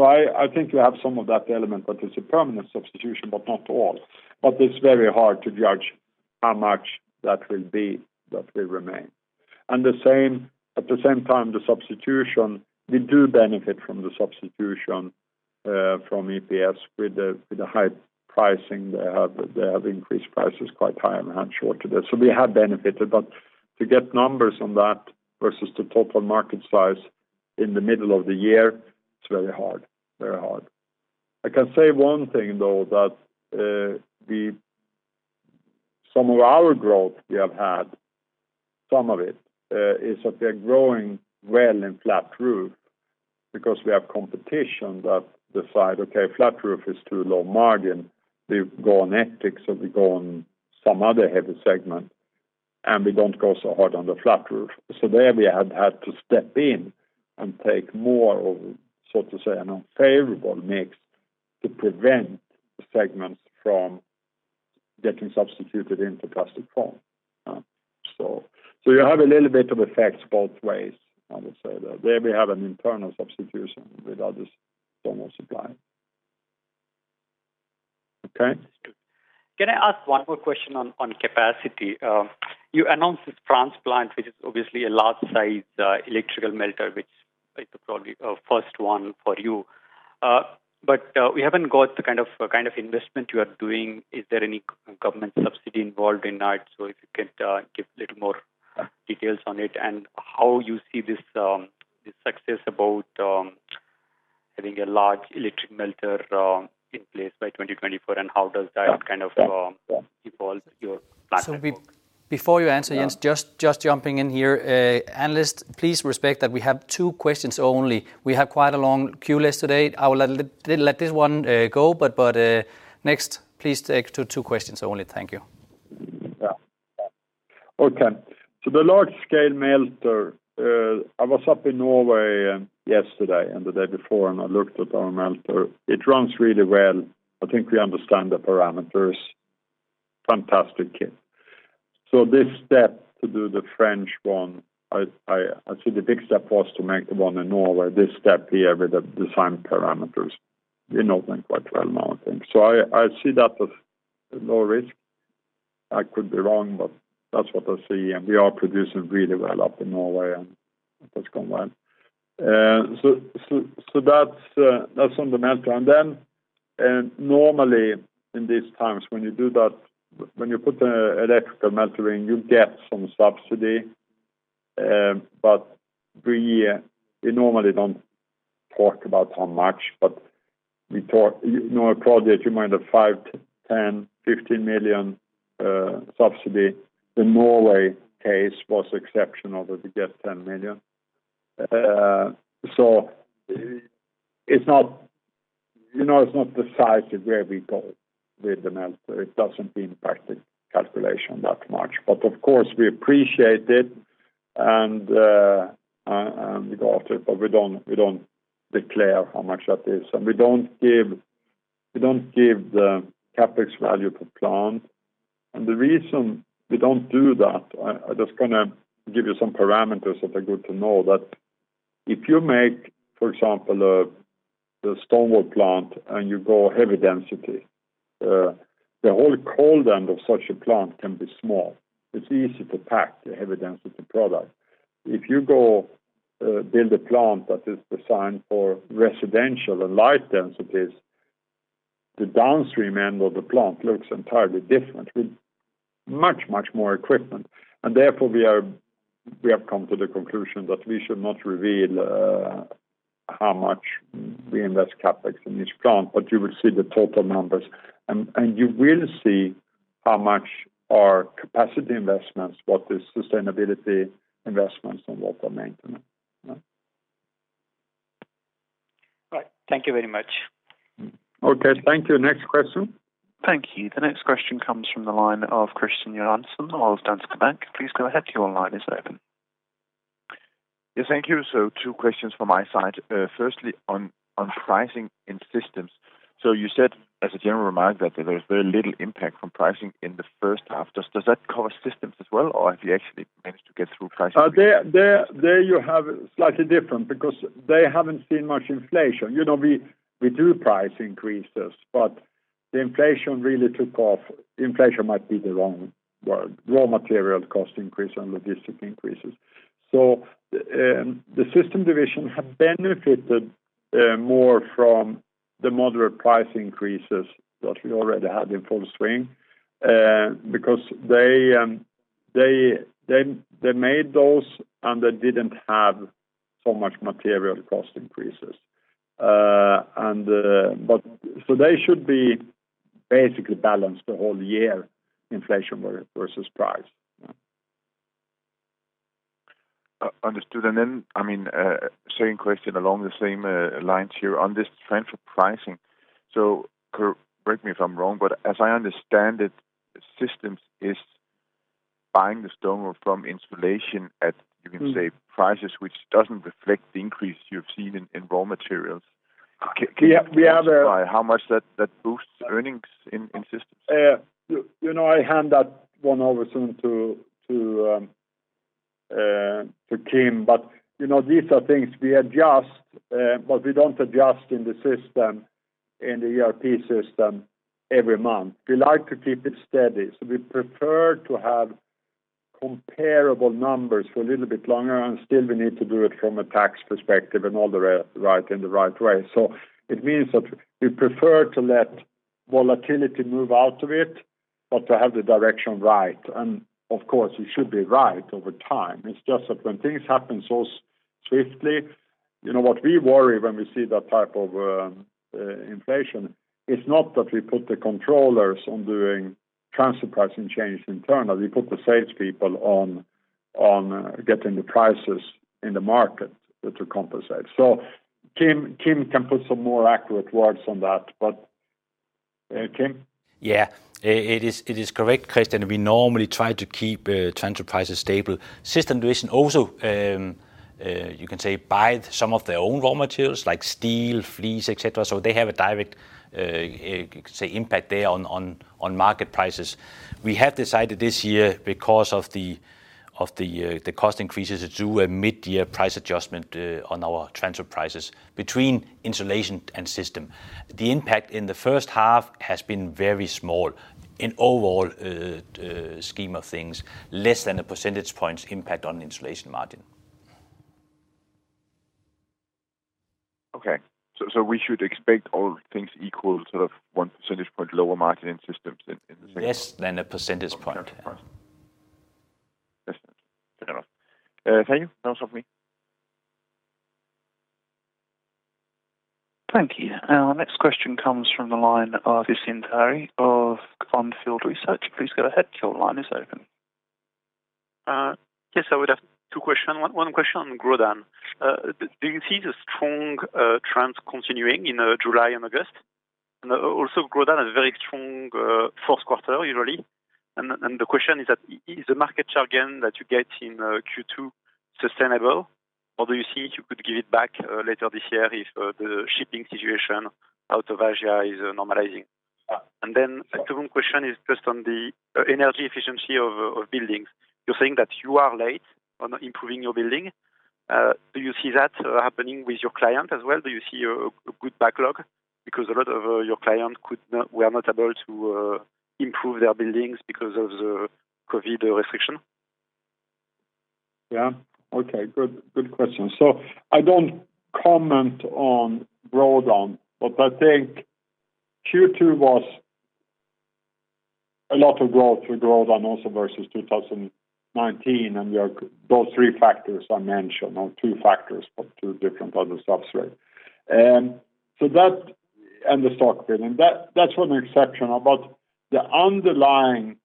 I think you have some of that element that is a permanent substitution, but not all. It's very hard to judge how much that will be, that will remain. At the same time, we do benefit from the substitution from EPS with the high pricing they have. They have increased prices quite high, I'm sure today. We have benefited. To get numbers on that versus the total market size in the middle of the year, it's very hard. I can say one thing, though, that some of our growth we have had, some of it, is that we are growing well in flat roof because we have competition that decide, okay, flat roof is too low margin. We go on Etex, or we go on some other heavy segment, we don't go so hard on the flat roof. There we had to step in and take more of, so to say, an unfavorable mix to prevent the segments from getting substituted into plastic form. You have a little bit of effects both ways, I would say, though. There we have an internal substitution with others, former supplier. Okay. Can I ask one more question on capacity? You announced this France plant, which is obviously a large size electrical melter, which is probably a first one for you. We haven't got the kind of investment you are doing. Is there any government subsidy involved in that? If you could give a little more details on it and how you see this success about having a large electric melter in place by 2024, and how does that kind of evolve your plan. Before you answer, Jens, just jumping in here. Analyst, please respect that we have 2 questions only. We have quite a long queue list today. I will let this one go, but next, please stick to two questions only. Thank you. Okay. The large scale melter, I was up in Norway yesterday and the day before, and I looked at our melter. It runs really well. I think we understand the parameters. Fantastic kit. This step to do the French one, I see the big step was to make the one in Norway. This step here with the design parameters, we know them quite well now, I think. I see that as low risk. I could be wrong, but that's what I see, and we are producing really well up in Norway on that one. That's on the melter. Normally in these times when you do that, when you put electrical meltering, you get some subsidy. We normally don't talk about how much, but a project you might have 5 million-10 million, 15 million subsidy. The Norway case was exceptional that we get 10 million. It's not decisive where we go with the melter. It doesn't impact the calculation that much. Of course, we appreciate it, and we go after it, but we don't declare how much that is. We don't give the CapEx value per plant. The reason we don't do that, I'm just going to give you some parameters that are good to know, that if you make, for example, the stonewool plant and you go heavy density, the whole cold end of such a plant can be small. It's easy to pack the heavy density product. If you go build a plant that is designed for residential and light densities, the downstream end of the plant looks entirely different with much, much more equipment. Therefore, we have come to the conclusion that we should not reveal how much we invest CapEx in each plant, but you will see the total numbers. You will see how much our capacity investments, what is sustainability investments, and what the maintenance. Right. Thank you very much. Okay, thank you. Next question. Thank you. The next question comes from the line of Kristian Tornøe Johansen of Danske Bank. Please go ahead, your line is open. Yes, thank you. Two questions from my side. Firstly, on pricing in systems. You said, as a general remark, that there's very little impact from pricing in the first half. Does that cover systems as well, or have you actually managed to get through pricing? There you have slightly different, because they haven't seen much inflation. We do price increases. The inflation really took off. Inflation might be the wrong word. Raw material cost increase and logistic increases. The System division have benefited more from the moderate price increases that we already had in full swing, because they made those, and they didn't have so much material cost increases. They should be basically balanced the whole year, inflation versus price. Understood. Second question along the same lines here. On this transfer pricing, correct me if I'm wrong, as I understand it, Systems is buying the stone wool from Insulation at, you can say, prices which doesn't reflect the increase you've seen in raw materials. We have. Can you quantify how much that boosts earnings in Systems? I hand that one over soon to Kim. These are things we adjust, but we don't adjust in the system, in the ERP system every month. We like to keep it steady. We prefer to have comparable numbers for a little bit longer, and still we need to do it from a tax perspective and all the rest, in the right way. It means that we prefer to let volatility move out of it, but to have the direction right. Of course, it should be right over time. It's just that when things happen so swiftly, what we worry when we see that type of inflation, it's not that we put the controllers on doing transfer pricing change internally. We put the salespeople on getting the prices in the market to compensate. Kim can put some more accurate words on that. Kim? Yeah. It is correct, Kristian. We normally try to keep transfer prices stable. System Division also, you can say, buy some of their own raw materials like steel, fleece, et cetera, so they have a direct, say, impact there on market prices. We have decided this year, because of the cost increases, to do a mid-year price adjustment on our transfer prices between Insulation and System. The impact in the first half has been very small. In overall scheme of things, less than a percentage points impact on Insulation margin. Okay. We should expect all things equal to 1 percentage point lower margin in Systems then in the second half. Less than a percentage point. Percentage point. Yes. Fair enough. Thank you. That was all for me. Thank you. Our next question comes from the line of Yassine Touahri of On Field Research. Please go ahead, your line is open. Yes, I would have two questions. One question on Grodan. Do you see the strong trends continuing in July and August? Grodan has very strong fourth quarter usually. Is the market share gain that you get in Q2 sustainable, or do you see you could give it back later this year if the shipping situation out of Asia is normalizing? The second question is just on the energy efficiency of buildings. You're saying that you are late on improving your building. Do you see that happening with your client as well? Do you see a good backlog because a lot of your clients were not able to improve their buildings because of the COVID restriction? Yeah. Okay. Good question. I don't comment on Grodan, but I think Q2 was a lot of growth for Grodan also versus 2019, and those three factors I mentioned, or two factors, but two different other substrate, that and the stock filling. That's one exception, but the underlying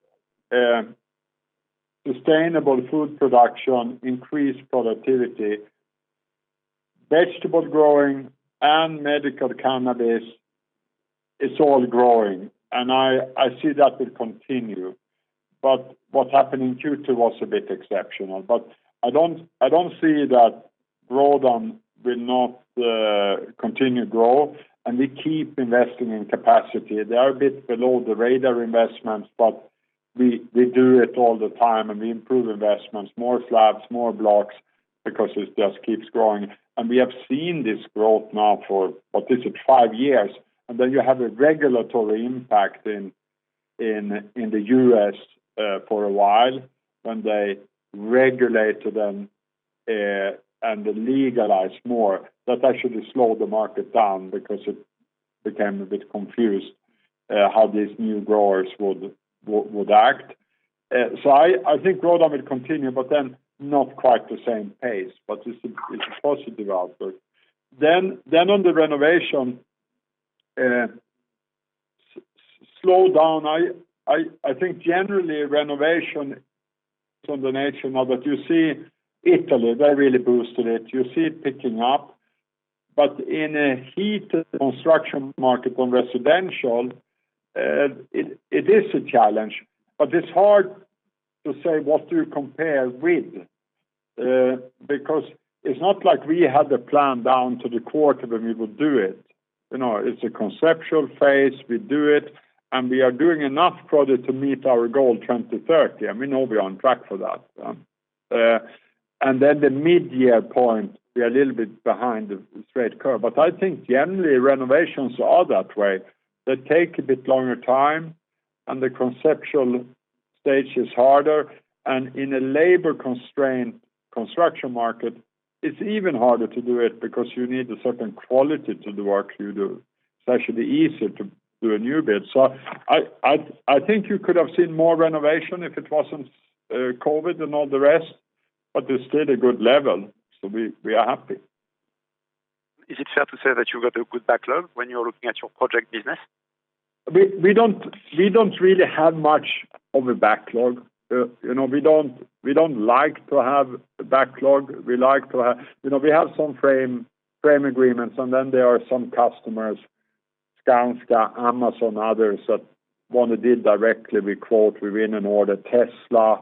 sustainable food production, increased productivity, vegetable growing, and medical cannabis, it's all growing, and I see that will continue. What happened in Q2 was a bit exceptional, but I don't see that Grodan will not continue grow, and we keep investing in capacity. They are a bit below the radar investments, but we do it all the time, and we improve investments, more slabs, more blocks, because it just keeps growing. We have seen this growth now for what is it, five years? Then you have a regulatory impact in the U.S. for a while, when they regulated them and they legalized more. That actually slowed the market down because it became a bit confused how these new growers would act. I think growth will continue, but then not quite the same pace, but it's a positive outlook. On the renovation slowdown, I think generally renovation from the nature now that you see Italy, they really boosted it. You see it picking up. In a heated construction market on residential, it is a challenge, but it's hard to say what to compare with, because it's not like we had a plan down to the quarter when we would do it. It's a conceptual phase. We do it, and we are doing enough product to meet our goal in 2030, and we know we are on track for that. The mid-year point, we are a little bit behind the straight curve. I think generally renovations are that way. They take a bit longer time and the conceptual stage is harder, and in a labor-constrained construction market, it's even harder to do it because you need a certain quality to the work you do. It's actually easier to do a new build. I think you could have seen more renovation if it wasn't COVID and all the rest, but it's still a good level, so we are happy. Is it fair to say that you've got a good backlog when you're looking at your project business? We don't really have much of a backlog. We don't like to have a backlog. We have some frame agreements, and then there are some customers, Skanska, Amazon, others that want to deal directly. We quote, we win an order, Tesla,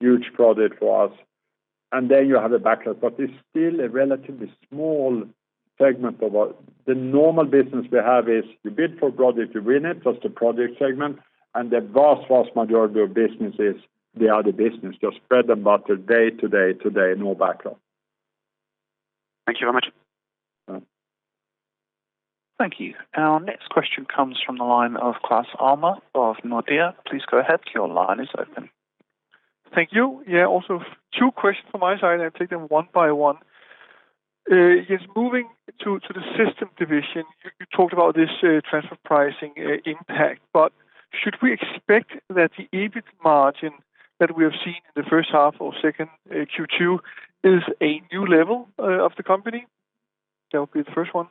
huge project for us. You have a backlog, but it's still a relatively small segment of what the normal business we have is you bid for a project, you win it. That's the project segment, and the vast majority of business is the other business, just bread and butter, day to day to day, no backlog. Thank you very much. Yeah. Thank you. Our next question comes from the line of Claus Almer of Nordea. Please go ahead, your line is open. Thank you. Also two questions from my side. I will take them one by one. Yes, moving to the System division, you talked about this transfer pricing impact. Should we expect that the EBIT margin that we have seen in the first half or second Q2 is a new level of the company? That would be the first one.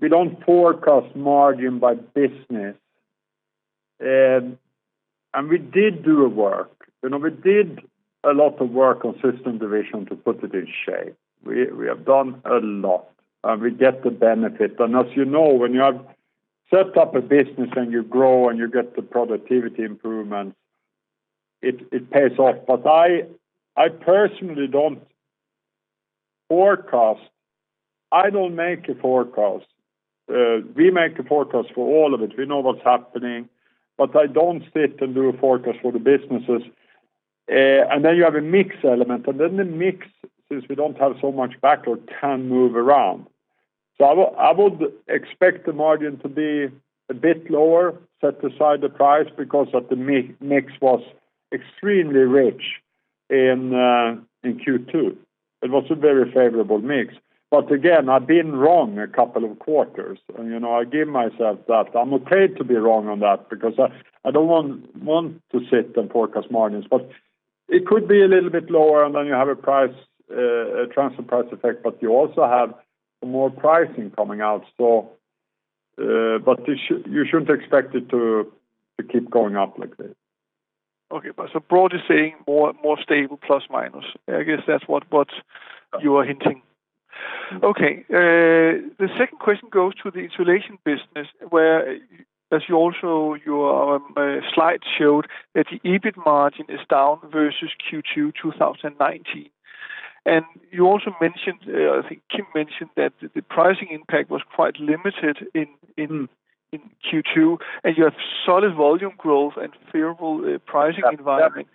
We don't forecast margin by business. We did do a work. We did a lot of work on System Division to put it in shape. We have done a lot, and we get the benefit. As you know, when you have set up a business and you grow and you get the productivity improvements, it pays off. I personally don't forecast. I don't make a forecast. We make a forecast for all of it. We know what's happening, but I don't sit and do a forecast for the businesses. Then you have a mix element, and then the mix, since we don't have so much backlog, can move around. I would expect the margin to be a bit lower, set aside the price, because of the mix was extremely rich in Q2. It was a very favorable mix. Again, I've been wrong a couple of quarters, and I give myself that. I'm okay to be wrong on that because I don't want to sit and forecast margins, but it could be a little bit lower, and then you have a transfer price effect, but you also have more pricing coming out still. You shouldn't expect it to keep going up like this. Okay. broadly saying more stable, plus minus. I guess that's what you are hinting. Okay. The second question goes to the Insulation business, where as your slide showed that the EBIT margin is down versus Q2 2019. You also mentioned, I think Kim mentioned that the pricing impact was quite limited in Q2, and you have solid volume growth and favorable pricing environment.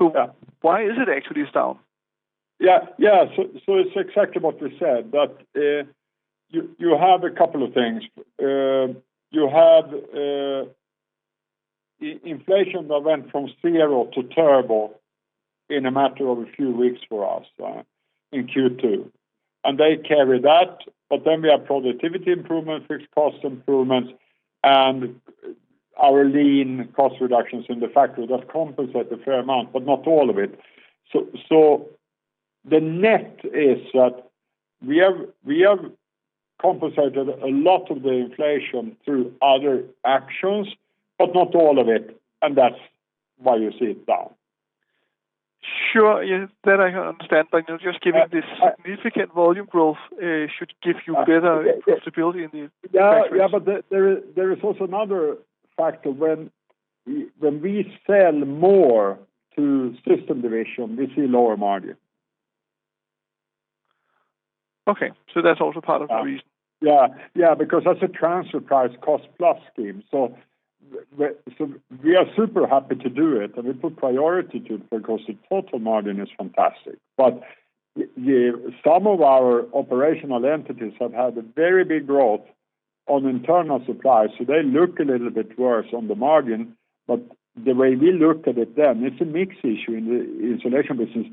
Yeah. Why is it actually down? Yeah. It's exactly what we said. That you have a couple of things. You have inflation that went from zero to terrible in a matter of a few weeks for us in Q2, and they carry that. We have productivity improvements, fixed cost improvements, and our lean cost reductions in the factory that compensate a fair amount, but not all of it. The net is that we have compensated a lot of the inflation through other actions, but not all of it, and that's why you see it down. Sure. Yes, that I can understand. Just giving this significant volume growth should give you better possibility in the- Yeah. There is also another factor. When we sell more to system division, we see lower margin. Okay. That's also part of the reason? That's a transfer price cost plus scheme. We are super happy to do it, and we put priority to it because the total margin is fantastic. Some of our operational entities have had a very big growth on internal supply, so they look a little bit worse on the margin. The way we look at it's a mix issue in the insulation business.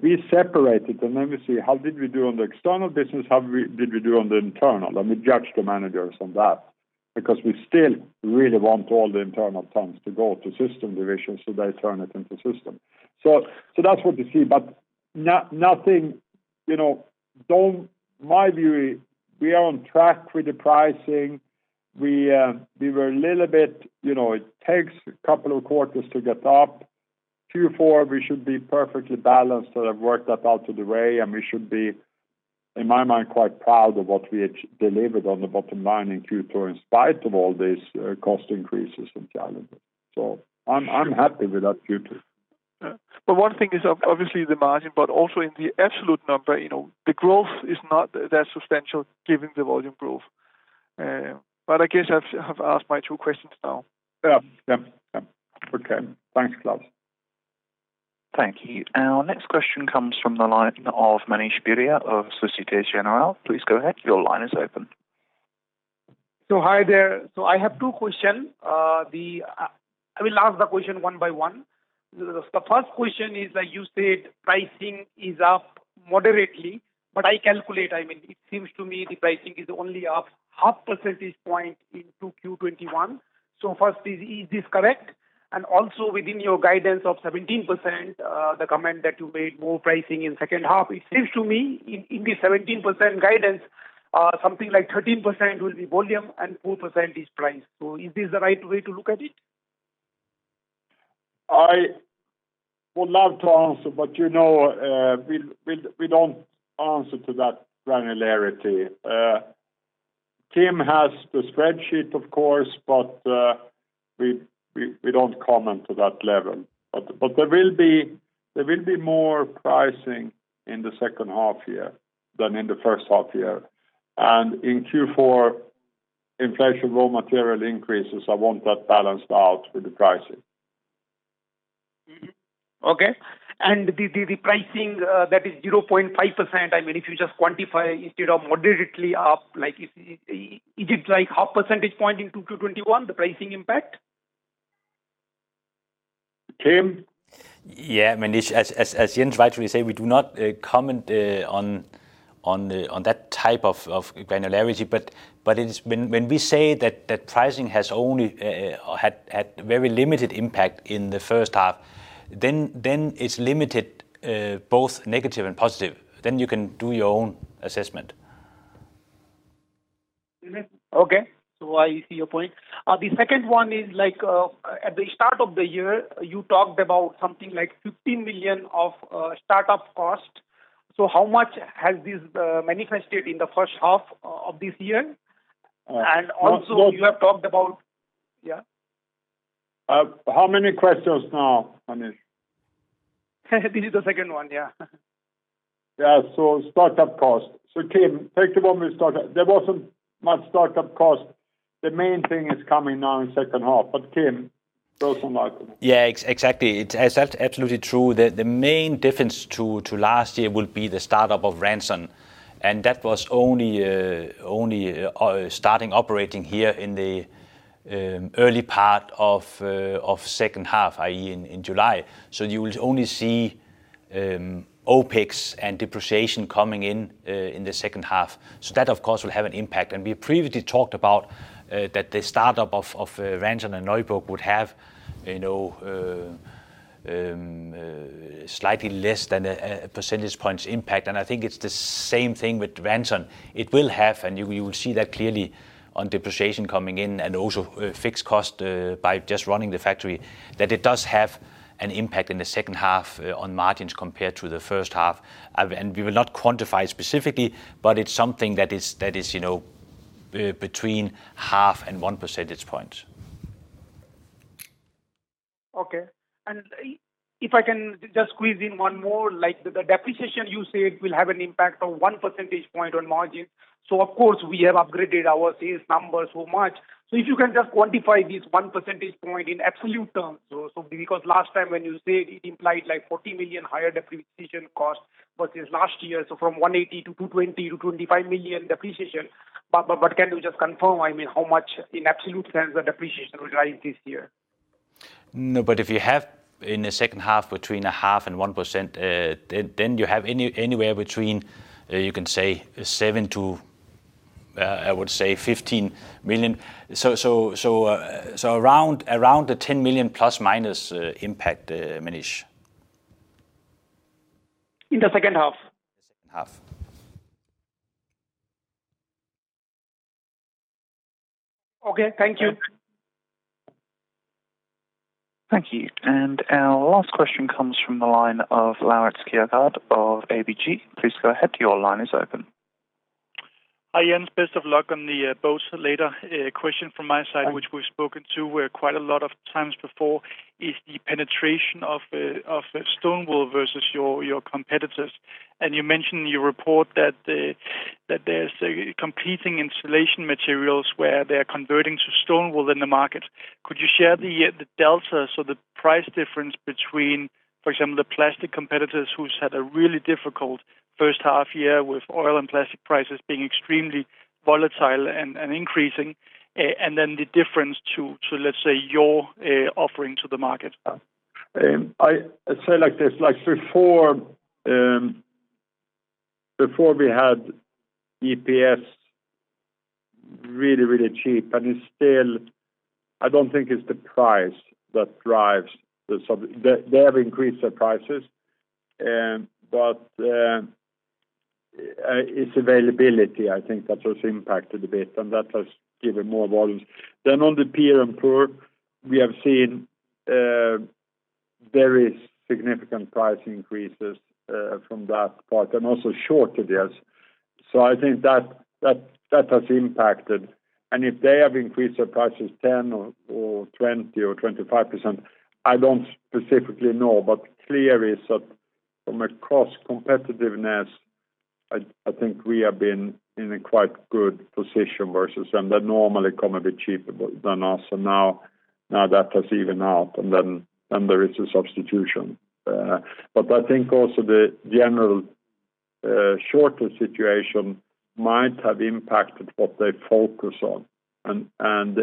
We separate it and we see, how did we do on the external business? How did we do on the internal? We judge the managers on that, because we still really want all the internal tons to go to system division, so they turn it into system. That's what you see. My view is we are on track with the pricing. It takes two quarters to get up. Q4, we should be perfectly balanced to have worked that out of the way. We should be, in my mind, quite proud of what we delivered on the bottom line in Q4 in spite of all these cost increases and challenges. I'm happy with that future. Yeah. One thing is obviously the margin, but also in the absolute number, the growth is not that substantial given the volume growth. I guess I have asked my two questions now. Yeah. Okay. Thanks, Claus. Thank you. Our next question comes from the line of Manish Beria of Societe Generale. Please go ahead. Your line is open. Hi there. I have two question. I will ask the question one by one. The first question is that you said pricing is up moderately. I calculate, it seems to me the pricing is only up half percentage point into Q21. First, is this correct? Also within your guidance of 17%, the comment that you made, more pricing in second half, it seems to me in the 17% guidance, something like 13% will be volume and 4% is price. Is this the right way to look at it? I would love to answer, but we don't answer to that granularity. Kim has the spreadsheet, of course, but we don't comment to that level. There will be more pricing in the second half-year than in the first half-year. In Q4, inflation raw material increases, I want that balanced out with the pricing. Mm-hmm. Okay. The pricing that is 0.5%, if you just quantify instead of moderately up, is it half percentage point in Q21, the pricing impact? Kim? Yeah, Manish, as Jens rightly says, we do not comment on that type of granularity. When we say that pricing has had very limited impact in the first half, it's limited both negative and positive. You can do your own assessment. Okay. I see your point. The second one is, at the start of the year, you talked about something like 15 million of startup cost. How much has this manifested in the first half of this year? Also you have talked about. Yeah? How many questions now, Manish? This is the second one, yeah. Yeah, startup cost. Tim, take it from the startup. There wasn't much startup cost. The main thing is coming now in second half. Tim, say something about it. Exactly. That's absolutely true. The main difference to last year will be the startup of Ranson. That was only starting operating here in the early part of 2nd half, i.e., in July. You will only see OpEx and depreciation coming in the 2nd half. That, of course, will have an impact. We previously talked about that the startup of Ranson and Neuburg would have slightly less than a percentage point impact, and I think it's the same thing with Ranson. You will see that clearly on depreciation coming in, and also fixed cost by just running the factory, that it does have an impact in the 2nd half on margins compared to the 1st half. We will not quantify specifically, but it's something that is between half and 1 percentage point. Okay. If I can just squeeze in one more, like the depreciation you said will have an impact of one percentage point on margin. Of course, we have upgraded our sales number so much. If you can just quantify this one percentage point in absolute terms. Because last time when you said it implied like 40 million higher depreciation cost versus last year, from 180 million to 220 million-225 million depreciation. Can you just confirm how much in absolute terms the depreciation will rise this year? No, if you have in the second half between a half and 1%, then you have anywhere between, you can say seven to. I would say EUR 15 million. Around a 10 million plus minus impact, Manish. In the second half? In the second half. Okay. Thank you. Thank you. Our last question comes from the line of Laurits Kjaergaard of ABG. Please go ahead, your line is open. Hi, Jens. Best of luck on the BOZ later. A question from my side, which we've spoken to quite a lot of times before, is the penetration of stone wool versus your competitors. You mentioned in your report that there's competing insulation materials, where they're converting to stone wool in the market. Could you share the delta, so the price difference between, for example, the plastic competitors who's had a really difficult first half year with oil and plastic prices being extremely volatile and increasing, and then the difference to, let's say, your offering to the market? I say it like this, before we had EPS really cheap. I don't think it's the price that drives the sub-- They have increased their prices, it's availability, I think, that has impacted a bit, and that has given more volumes. On the PIR and PUR, we have seen very significant price increases from that part. Also shortages. I think that has impacted. If they have increased their prices 10% or 20% or 25%, I don't specifically know. Clear is that from a cost competitiveness, I think we have been in a quite good position versus them. They normally come a bit cheaper than us. Now that has evened out. There is a substitution. I think also the general shortage situation might have impacted what they focus on, and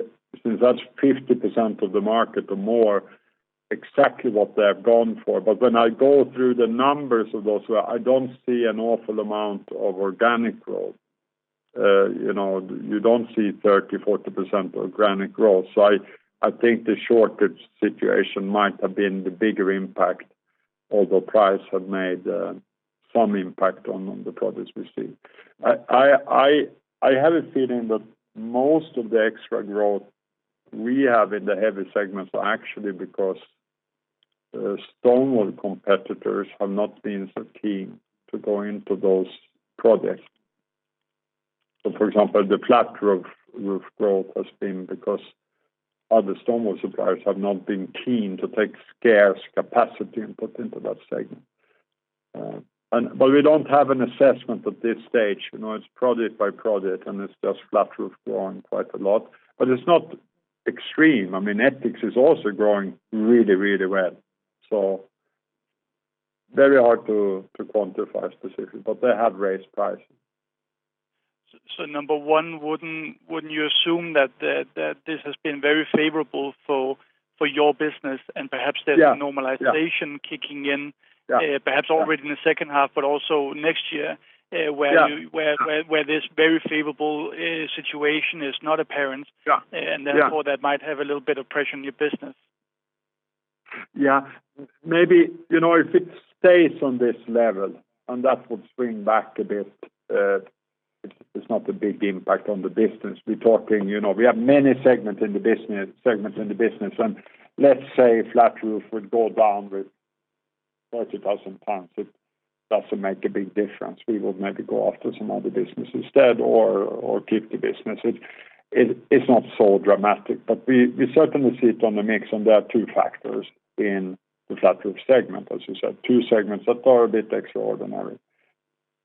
since that's 50% of the market or more, exactly what they have gone for. When I go through the numbers of those, I don't see an awful amount of organic growth. You don't see 30%, 40% organic growth. I think the shortage situation might have been the bigger impact, although price have made some impact on the progress we see. I have a feeling that most of the extra growth we have in the heavy segments are actually because stone wool competitors have not been keen to go into those projects. For example, the flat roof growth has been because other stone wool suppliers have not been keen to take scarce capacity and put into that segment. We don't have an assessment at this stage. It's project by project, and it's just flat roof growing quite a lot. It's not extreme. I mean, ETICS is also growing really well. Very hard to quantify specifically, but they have raised prices. Number one, wouldn't you assume that this has been very favorable for your business and perhaps? Yeah There's a normalization kicking in. Yeah perhaps already in the second half, but also next year Yeah where this very favorable situation is not apparent. Yeah Therefore that might have a little bit of pressure on your business? Maybe if it stays on this level, that would spring back a bit, it's not a big impact on the business. We have many segments in the business, let's say flat roof would go down with 30,000 tons. It doesn't make a big difference. We would maybe go after some other business instead or keep the business. It's not so dramatic. We certainly see it on the mix, there are two factors in the flat roof segment, as you said, two segments that are a bit extraordinary.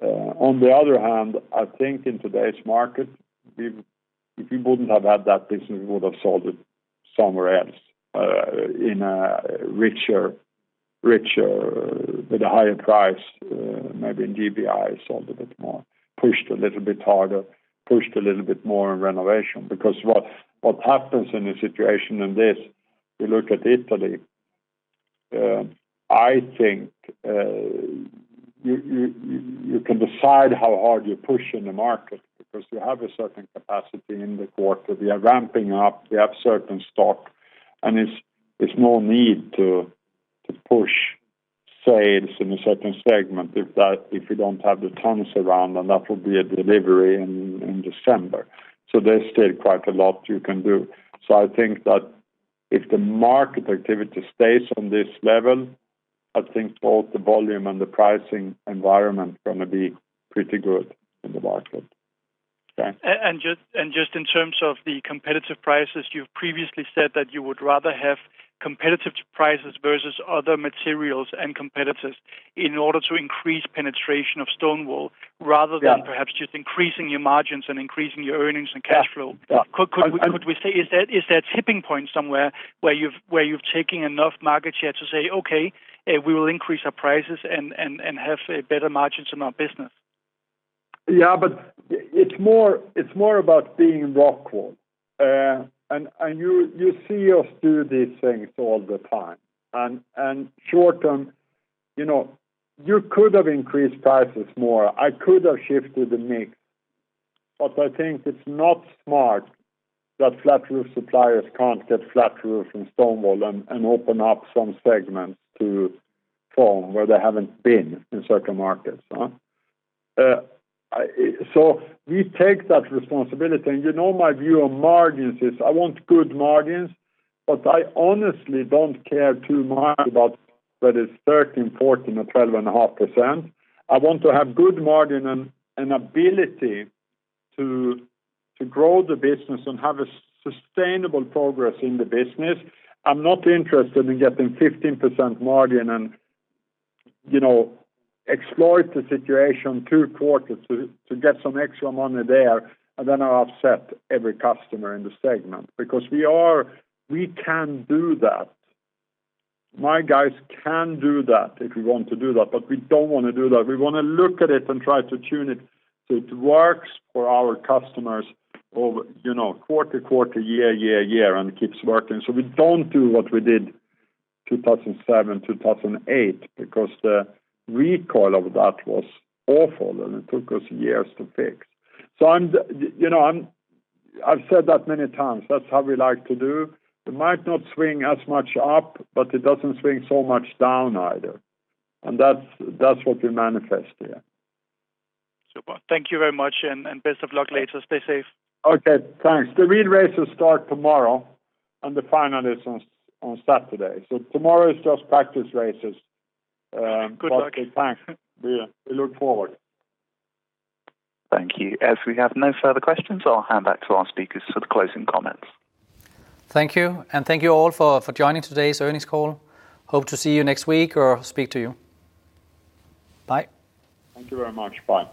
On the other hand, I think in today's market, if we wouldn't have had that business, we would have sold it somewhere else, in a richer, with a higher price, maybe in DBI, sold a bit more, pushed a little bit harder, pushed a little bit more in renovation. What happens in a situation in this, you look at Italy, I think you can decide how hard you push in the market because you have a certain capacity in the quarter. We are ramping up, we have certain stock, it's more need to push sales in a certain segment if you don't have the tons around, that will be a delivery in December. There's still quite a lot you can do. I think that if the market activity stays on this level, I think both the volume and the pricing environment are going to be pretty good in the market. Yeah. Just in terms of the competitive prices, you've previously said that you would rather have competitive prices versus other materials and competitors in order to increase penetration of stone wool rather than. Yeah perhaps just increasing your margins and increasing your earnings and cash flow. Yeah. Is there a tipping point somewhere where you've taken enough market share to say, "Okay, we will increase our prices and have better margins in our business"? It's more about being in Rockwool. You see us do these things all the time. Short-term, you could have increased prices more. I could have shifted the mix, but I think it's not smart that flat roof suppliers can't get flat roof from stone wool and open up some segments to foam where they haven't been in certain markets. We take that responsibility, and you know my view on margins is I want good margins, but I honestly don't care too much about whether it's 13, 14, or 12.5%. I want to have good margin and ability to grow the business and have a sustainable progress in the business. I'm not interested in getting 15% margin and exploit the situation two quarters to get some extra money there, and then I upset every customer in the segment. We can do that. My guys can do that if we want to do that, but we don't want to do that. We want to look at it and try to tune it so it works for our customers over quarter, year, year, and it keeps working. We don't do what we did 2007, 2008, because the recall of that was awful, and it took us years to fix. I've said that many times. That's how we like to do. It might not swing as much up, but it doesn't swing so much down either. That's what we manifest here. Super. Thank you very much, and best of luck later. Stay safe. Okay, thanks. The real races start tomorrow, and the final is on Saturday. Tomorrow is just practice races. Good luck. Okay, thanks. We look forward. Thank you. As we have no further questions, I'll hand back to our speakers for the closing comments. Thank you, and thank you all for joining today's earnings call. Hope to see you next week or speak to you. Bye. Thank you very much. Bye.